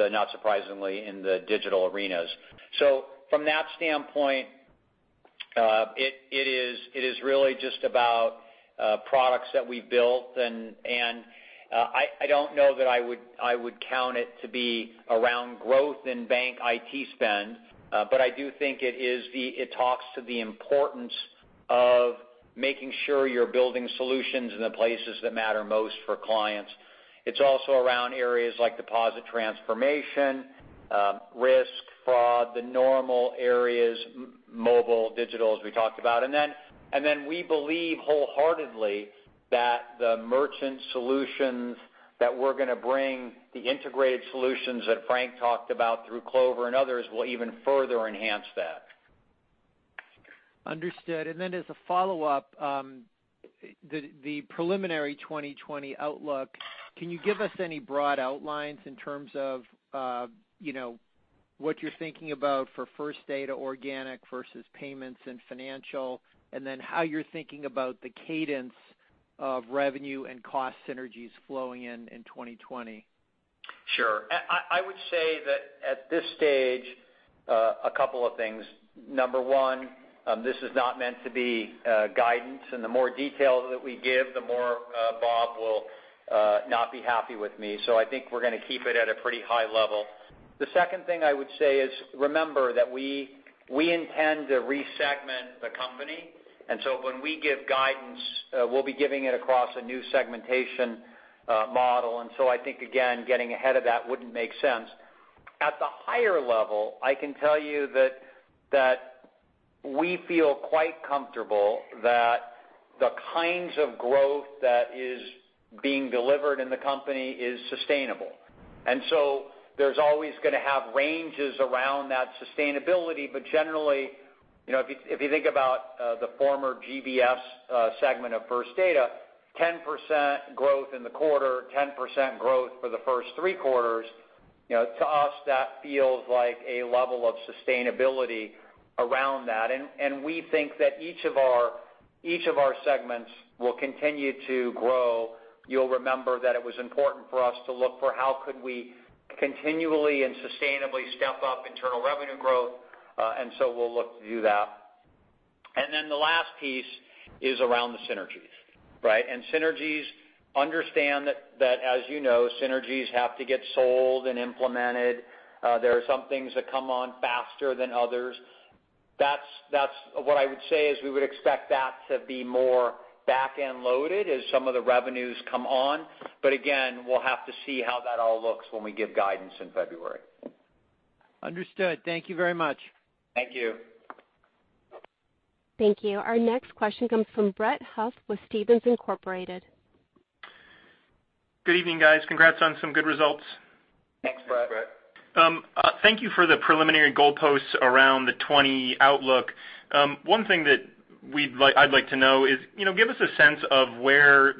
not surprisingly, in the digital arenas. From that standpoint, it is really just about products that we built. I don't know that I would count it to be around growth in bank IT spend. I do think it talks to the importance of making sure you're building solutions in the places that matter most for clients. It's also around areas like deposit transformation, risk, fraud, the normal areas, mobile, digital, as we talked about. We believe wholeheartedly that the merchant solutions that we're going to bring, the integrated solutions that Frank talked about through Clover and others, will even further enhance that. Understood. As a follow-up, the preliminary 2020 outlook, can you give us any broad outlines in terms of what you're thinking about for First Data organic versus payments and financial? How you're thinking about the cadence of revenue and cost synergies flowing in in 2020? Sure. I would say that at this stage, a couple of things. Number 1, this is not meant to be guidance, and the more detail that we give, the more Bob will not be happy with me. I think we're going to keep it at a pretty high level. The second thing I would say is remember that we intend to re-segment the company, when we give guidance, we'll be giving it across a new segmentation model. I think, again, getting ahead of that wouldn't make sense. At the higher level, I can tell you that we feel quite comfortable that the kinds of growth that is being delivered in the company is sustainable. There's always going to have ranges around that sustainability. Generally, if you think about the former GBS segment of First Data, 10% growth in the quarter, 10% growth for the first three quarters. To us, that feels like a level of sustainability around that. We think that each of our segments will continue to grow. You'll remember that it was important for us to look for how could we continually and sustainably step up internal revenue growth. We'll look to do that. Then the last piece is around the synergies, right? Synergies, understand that, as you know, synergies have to get sold and implemented. There are some things that come on faster than others. What I would say is we would expect that to be more back-end loaded as some of the revenues come on. Again, we'll have to see how that all looks when we give guidance in February. Understood. Thank you very much. Thank you. Thank you. Our next question comes from Brett Huff with Stephens Inc. Good evening, guys. Congrats on some good results. Thanks, Brett. Thank you for the preliminary goalposts around the 2020 outlook. One thing that I'd like to know is, give us a sense of where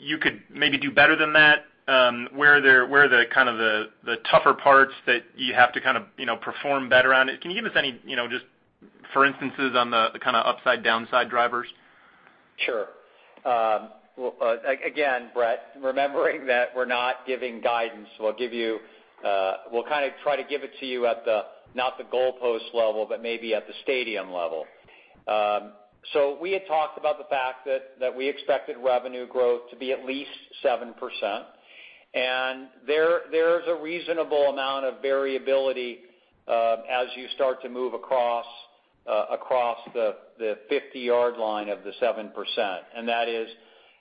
you could maybe do better than that. Where are the tougher parts that you have to perform better on? Can you give us any just for instances on the kind of upside-downside drivers? Sure. Again, Brett, remembering that we're not giving guidance, we'll kind of try to give it to you at the, not the goalpost level, but maybe at the stadium level. We had talked about the fact that we expected revenue growth to be at least 7%. There is a reasonable amount of variability as you start to move across the 50-yard line of the 7%. That is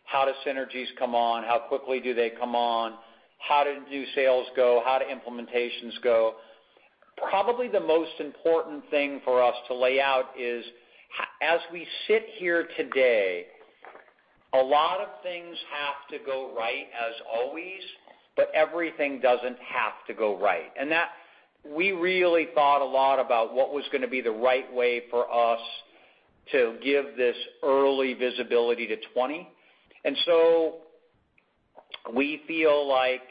how do synergies come on? How quickly do they come on? How do new sales go? How do implementations go? Probably the most important thing for us to lay out is, as we sit here today, a lot of things have to go right as always, but everything doesn't have to go right. That we really thought a lot about what was going to be the right way for us to give this early visibility to 2020. We feel like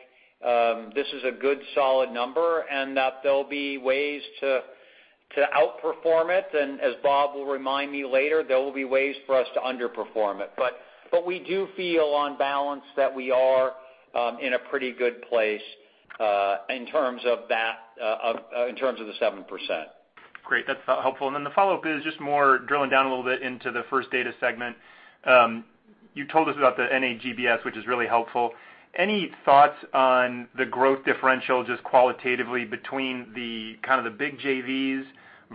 this is a good solid number and that there'll be ways to outperform it. As Bob will remind me later, there will be ways for us to underperform it. We do feel, on balance, that we are in a pretty good place in terms of the 7%. Great. That's helpful. The follow-up is just more drilling down a little bit into the First Data segment. You told us about the NA GBS, which is really helpful. Any thoughts on the growth differential, just qualitatively between the kind of the big JVs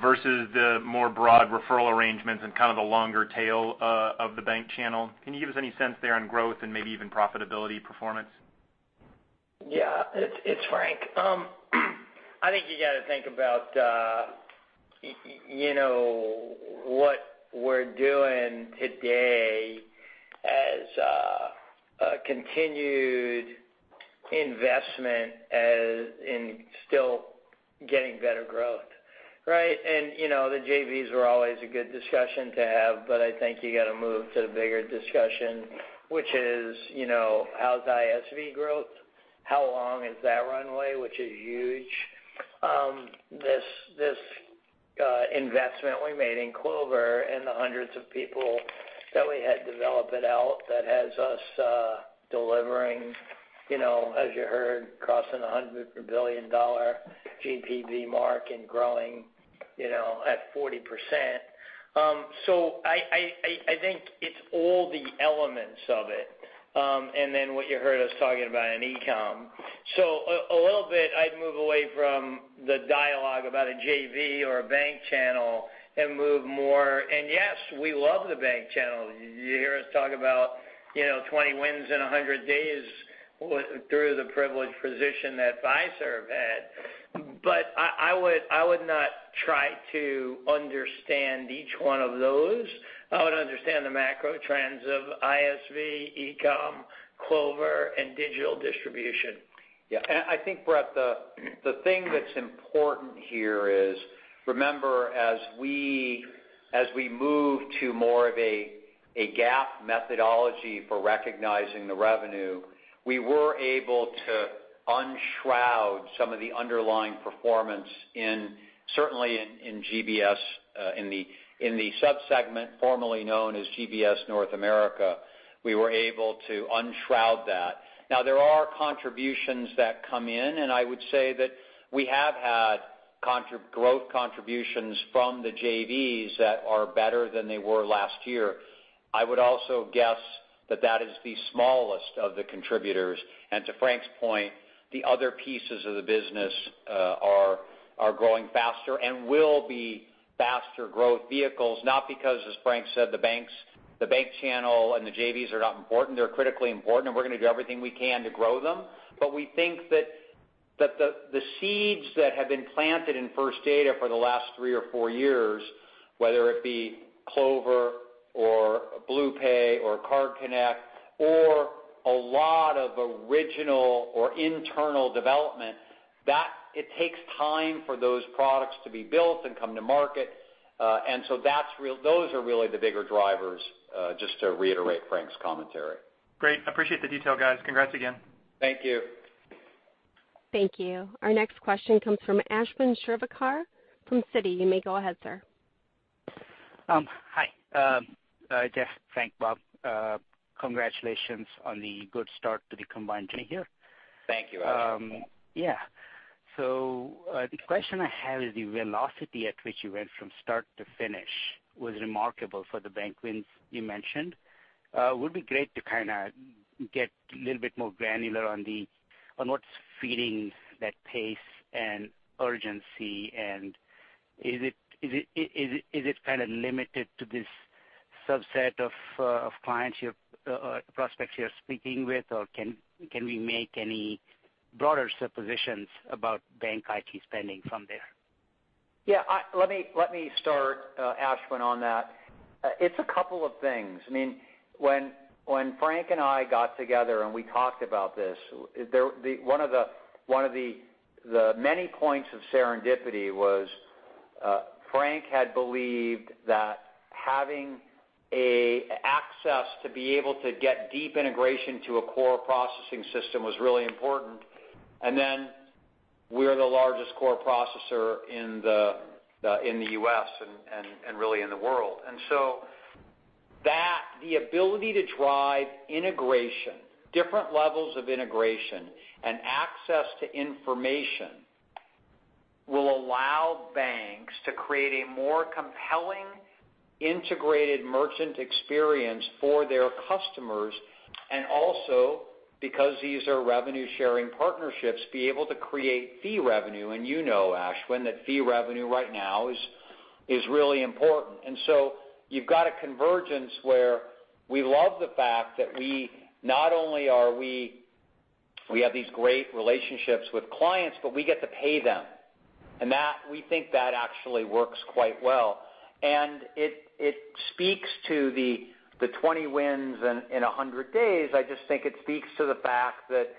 versus the more broad referral arrangements and kind of the longer tail of the bank channel? Can you give us any sense there on growth and maybe even profitability performance? Yeah, it's Frank. I think you got to think about what we're doing today as a continued investment in still getting better growth, right? The JVs are always a good discussion to have, but I think you got to move to the bigger discussion, which is how's ISV growth? How long is that runway? Which is huge. This investment we made in Clover and the hundreds of people that we had develop it out, that has us delivering, as you heard, crossing the $100 billion GPV mark and growing at 40%. I think it's all the elements of it. Then what you heard us talking about in e-com. A little bit, I'd move away from the dialogue about a JV or a bank channel and yes, we love the bank channel. You hear us talk about 20 wins in 100 days through the privileged position that Fiserv had. I would not try to understand each one of those. I would understand the macro trends of ISV, e-com, Clover, and digital distribution. I think, Brett, the thing that's important here is, remember, as we move to more of a GAAP methodology for recognizing the revenue, we were able to unshroud some of the underlying performance in, certainly in GBS, in the sub-segment formerly known as GBS North America. We were able to unshroud that. Now, there are contributions that come in, and I would say that we have had growth contributions from the JVs that are better than they were last year. I would also guess that that is the smallest of the contributors. To Frank's point, the other pieces of the business are growing faster and will be faster growth vehicles, not because, as Frank said, the bank channel and the JVs are not important. They're critically important, and we're going to do everything we can to grow them. We think that the seeds that have been planted in First Data for the last three or four years, whether it be Clover or BluePay or CardConnect or a lot of original or internal development, that it takes time for those products to be built and come to market. Those are really the bigger drivers, just to reiterate Frank's commentary. Great. Appreciate the detail, guys. Congrats again. Thank you. Thank you. Our next question comes from Ashwin Shirvaikar from Citi. You may go ahead, sir. Hi. Jeff, Frank, Bob congratulations on the good start to the combined journey here. Thank you, Ashwin. Yeah. The question I have is the velocity at which you went from start to finish was remarkable for the bank wins you mentioned. Would be great to get a little bit more granular on what's feeding that pace and urgency, and is it limited to this subset of prospects you're speaking with, or can we make any broader suppositions about bank IT spending from there? Yeah. Let me start, Ashwin, on that. It's a couple of things. When Frank and I got together and we talked about this, one of the many points of serendipity was Frank had believed that having access to be able to get deep integration to a core processing system was really important. We're the largest core processor in the U.S. and really in the world. The ability to drive integration, different levels of integration, and access to information will allow banks to create a more compelling, integrated merchant experience for their customers. Also because these are revenue-sharing partnerships, be able to create fee revenue. You know, Ashwin, that fee revenue right now is really important. You've got a convergence where we love the fact that not only we have these great relationships with clients, but we get to pay them. We think that actually works quite well. It speaks to the 20 wins in 100 days. I just think it speaks to the fact that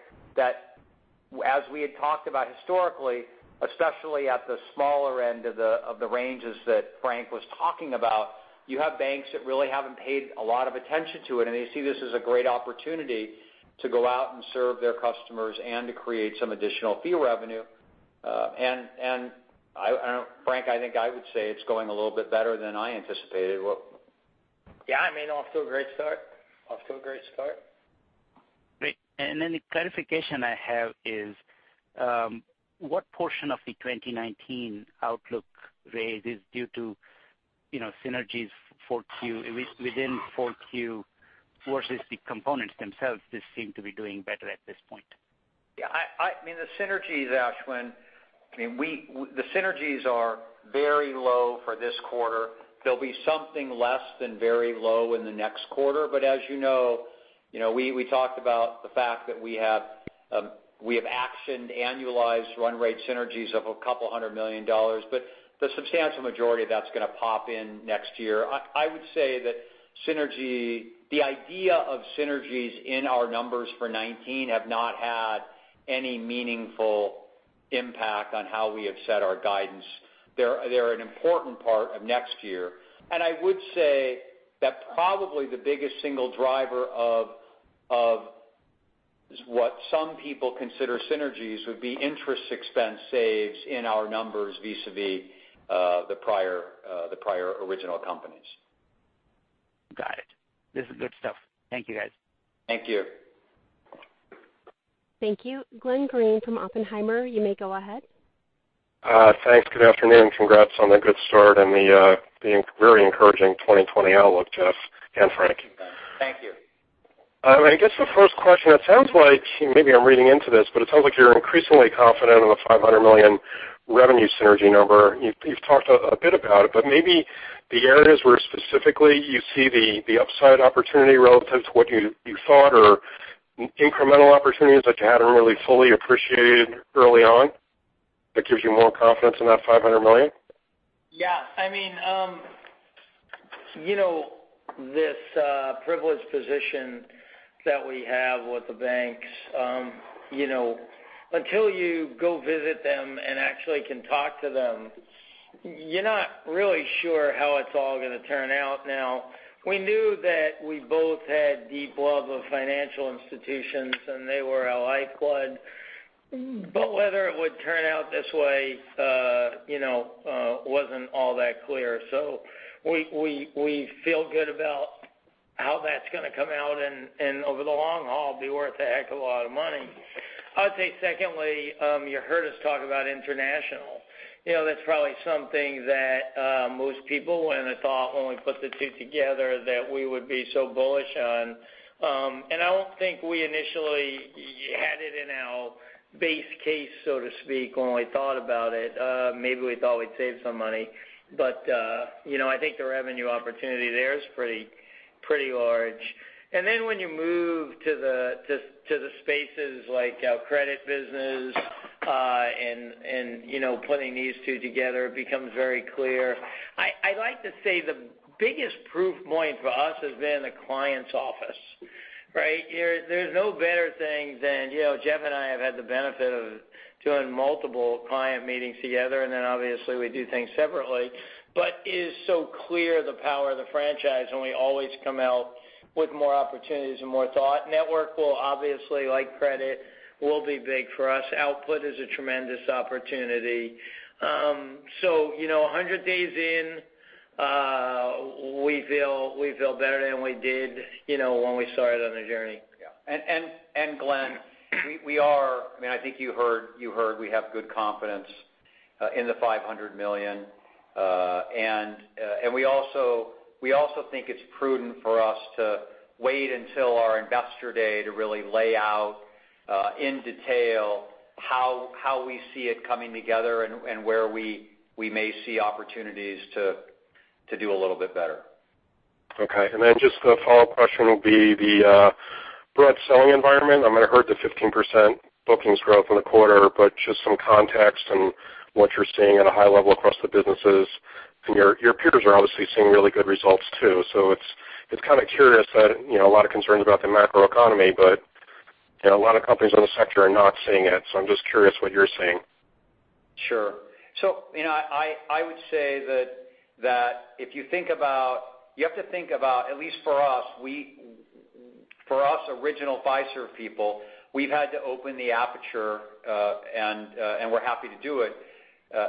as we had talked about historically, especially at the smaller end of the ranges that Frank was talking about, you have banks that really haven't paid a lot of attention to it, and they see this as a great opportunity to go out and serve their customers and to create some additional fee revenue. Frank, I think I would say it's going a little bit better than I anticipated. Yeah. Off to a great start. Great. Then the clarification I have is, what portion of the 2019 outlook raise is due to synergies within 4Q versus the components themselves just seem to be doing better at this point? The synergies, Ashwin, are very low for this quarter. They'll be something less than very low in the next quarter. As you know, we talked about the fact that we have actioned annualized run rate synergies of $200 million. The substantial majority of that's going to pop in next year. I would say that the idea of synergies in our numbers for 2019 have not had any meaningful impact on how we have set our guidance. They're an important part of next year. I would say that probably the biggest single driver of what some people consider synergies would be interest expense saves in our numbers vis-a-vis the prior original companies. Got it. This is good stuff. Thank you, guys. Thank you. Thank you. Glenn Greene from Oppenheimer, you may go ahead. Thanks. Good afternoon. Congrats on the good start and the very encouraging 2020 outlook, Jeff and Frank. Thank you. I guess the first question, it sounds like, maybe I'm reading into this, but it sounds like you're increasingly confident on the $500 million revenue synergy number. You've talked a bit about it, maybe the areas where specifically you see the upside opportunity relative to what you thought or incremental opportunities that you hadn't really fully appreciated early on that gives you more confidence in that $200 million? Yeah. This privileged position that we have with the banks, until you go visit them and actually can talk to them, you're not really sure how it's all going to turn out. We knew that we both had deep love of financial institutions, and they were alike blood. Whether it would turn out this way wasn't all that clear. We feel good about how that's going to come out and over the long haul be worth a heck of a lot of money. I'd say secondly, you heard us talk about international. That's probably something that most people wouldn't have thought when we put the two together that we would be so bullish on. I don't think we initially had it in our base case, so to speak, when we thought about it. Maybe we thought we'd save some money. I think the revenue opportunity there is pretty large. When you move to the spaces like our credit business and putting these two together becomes very clear. I'd like to say the biggest proof point for us has been the client's office, right? There's no better thing than Jeff and I have had the benefit of doing multiple client meetings together, and then obviously we do things separately. It is so clear the power of the franchise, and we always come out with more opportunities and more thought. Network will obviously, like credit, will be big for us. Output is a tremendous opportunity. 100 days in. We feel better than we did when we started on the journey. Yeah. Glenn, I think you heard we have good confidence in the $500 million. We also think it's prudent for us to wait until our investor day to really lay out, in detail how we see it coming together and where we may see opportunities to do a little bit better. Okay. Just the follow-up question will be the broad selling environment. I mean, I heard the 15% bookings growth in the quarter, but just some context on what you're seeing at a high level across the businesses. Your peers are obviously seeing really good results too. It's kind of curious that a lot of concerns about the macro economy, but a lot of companies in the sector are not seeing it, so I'm just curious what you're seeing. Sure. I would say that you have to think about, at least for us original Fiserv people, we've had to open the aperture, and we're happy to do it.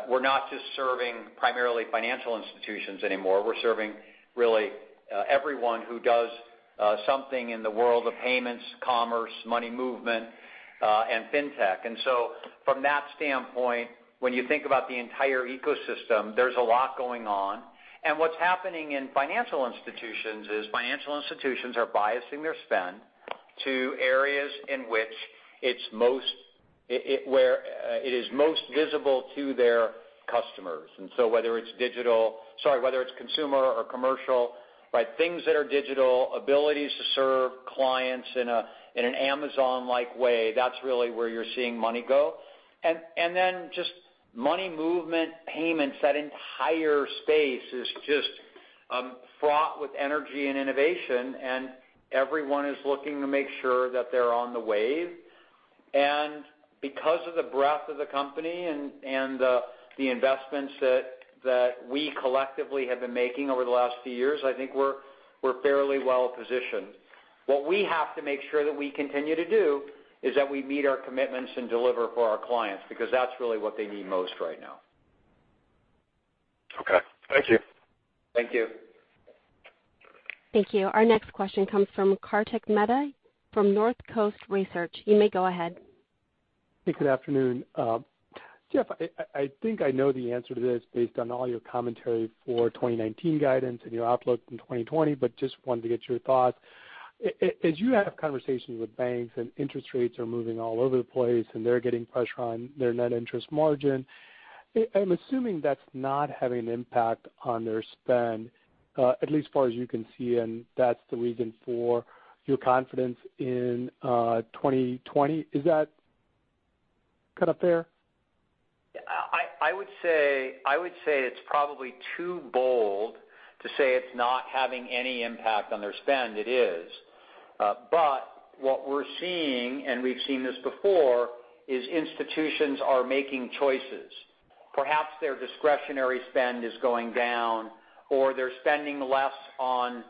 We're not just serving primarily financial institutions anymore. We're serving really everyone who does something in the world of payments, commerce, money movement, and fintech. From that standpoint, when you think about the entire ecosystem, there's a lot going on. What's happening in financial institutions is financial institutions are biasing their spend to areas in which it is most visible to their customers. Whether it's consumer or commercial, but things that are digital, abilities to serve clients in an Amazon-like way, that's really where you're seeing money go. Then just money movement payments, that entire space is just fraught with energy and innovation, and everyone is looking to make sure that they're on the wave. Because of the breadth of the company and the investments that we collectively have been making over the last few years, I think we're fairly well-positioned. What we have to make sure that we continue to do is that we meet our commitments and deliver for our clients, because that's really what they need most right now. Okay. Thank you. Thank you. Thank you. Our next question comes from Kartik Mehta from Northcoast Research. You may go ahead. Hey, good afternoon. Jeff, I think I know the answer to this based on all your commentary for 2019 guidance and your outlook in 2020, but just wanted to get your thoughts. As you have conversations with banks and interest rates are moving all over the place, and they're getting pressure on their net interest margin, I'm assuming that's not having an impact on their spend, at least as far as you can see, and that's the reason for your confidence in 2020. Is that kind of fair? I would say it's probably too bold to say it's not having any impact on their spend. It is. What we're seeing, and we've seen this before, is institutions are making choices. Perhaps their discretionary spend is going down or they're spending less on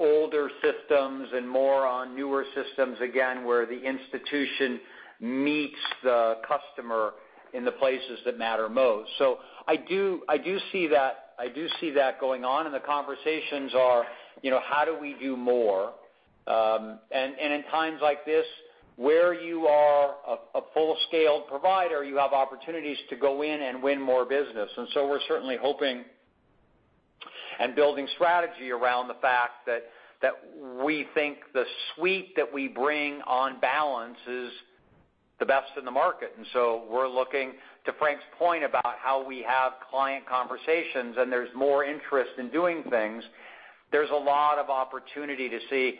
older systems and more on newer systems, again, where the institution meets the customer in the places that matter most. I do see that going on, and the conversations are how do we do more? In times like this, where you are a full-scale provider, you have opportunities to go in and win more business. We're certainly hoping and building strategy around the fact that we think the suite that we bring on balance is the best in the market. We're looking to Frank's point about how we have client conversations, and there's more interest in doing things. There's a lot of opportunity to see,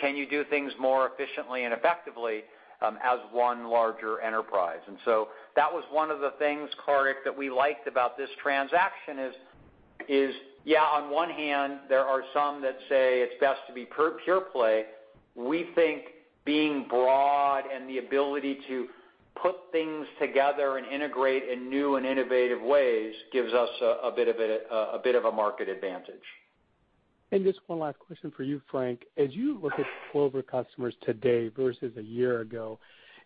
can you do things more efficiently and effectively as one larger enterprise? That was one of the things, Kartik, that we liked about this transaction is, yeah, on one hand, there are some that say it's best to be pure play. We think being broad and the ability to put things together and integrate in new and innovative ways gives us a bit of a market advantage. Just one last question for you, Frank. As you look at Clover customers today versus a year ago,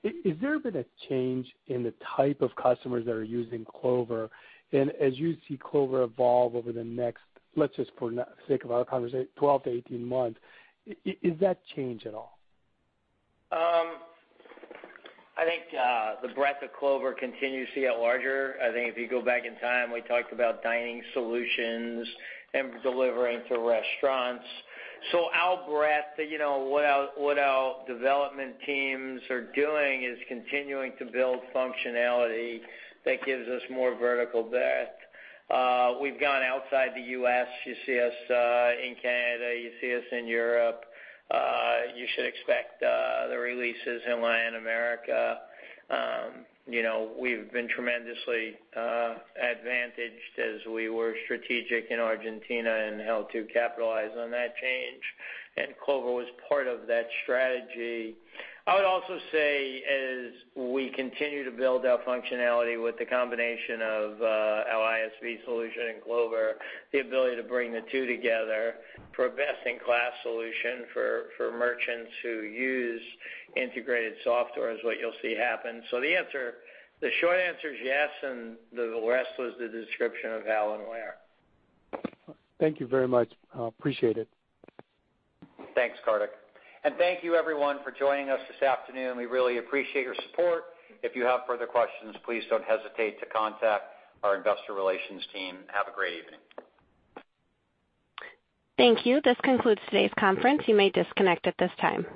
has there been a change in the type of customers that are using Clover? As you see Clover evolve over the next, let's just for sake of our conversation, 12 to 18 months, is that changed at all? I think the breadth of Clover continues to get larger. I think if you go back in time, we talked about dining solutions and delivering to restaurants. Our breadth, what our development teams are doing is continuing to build functionality that gives us more vertical breadth. We've gone outside the U.S. You see us in Canada, you see us in Europe. You should expect the releases in Latin America. We've been tremendously advantaged as we were strategic in Argentina and how to capitalize on that change. Clover was part of that strategy. I would also say as we continue to build our functionality with the combination of our ISV solution and Clover, the ability to bring the two together for a best-in-class solution for merchants who use integrated software is what you'll see happen. The short answer is yes, and the rest was the description of how and where. Thank you very much. Appreciate it. Thanks, Kartik. Thank you everyone for joining us this afternoon. We really appreciate your support. If you have further questions, please don't hesitate to contact our investor relations team. Have a great evening. Thank you. This concludes today's conference. You may disconnect at this time.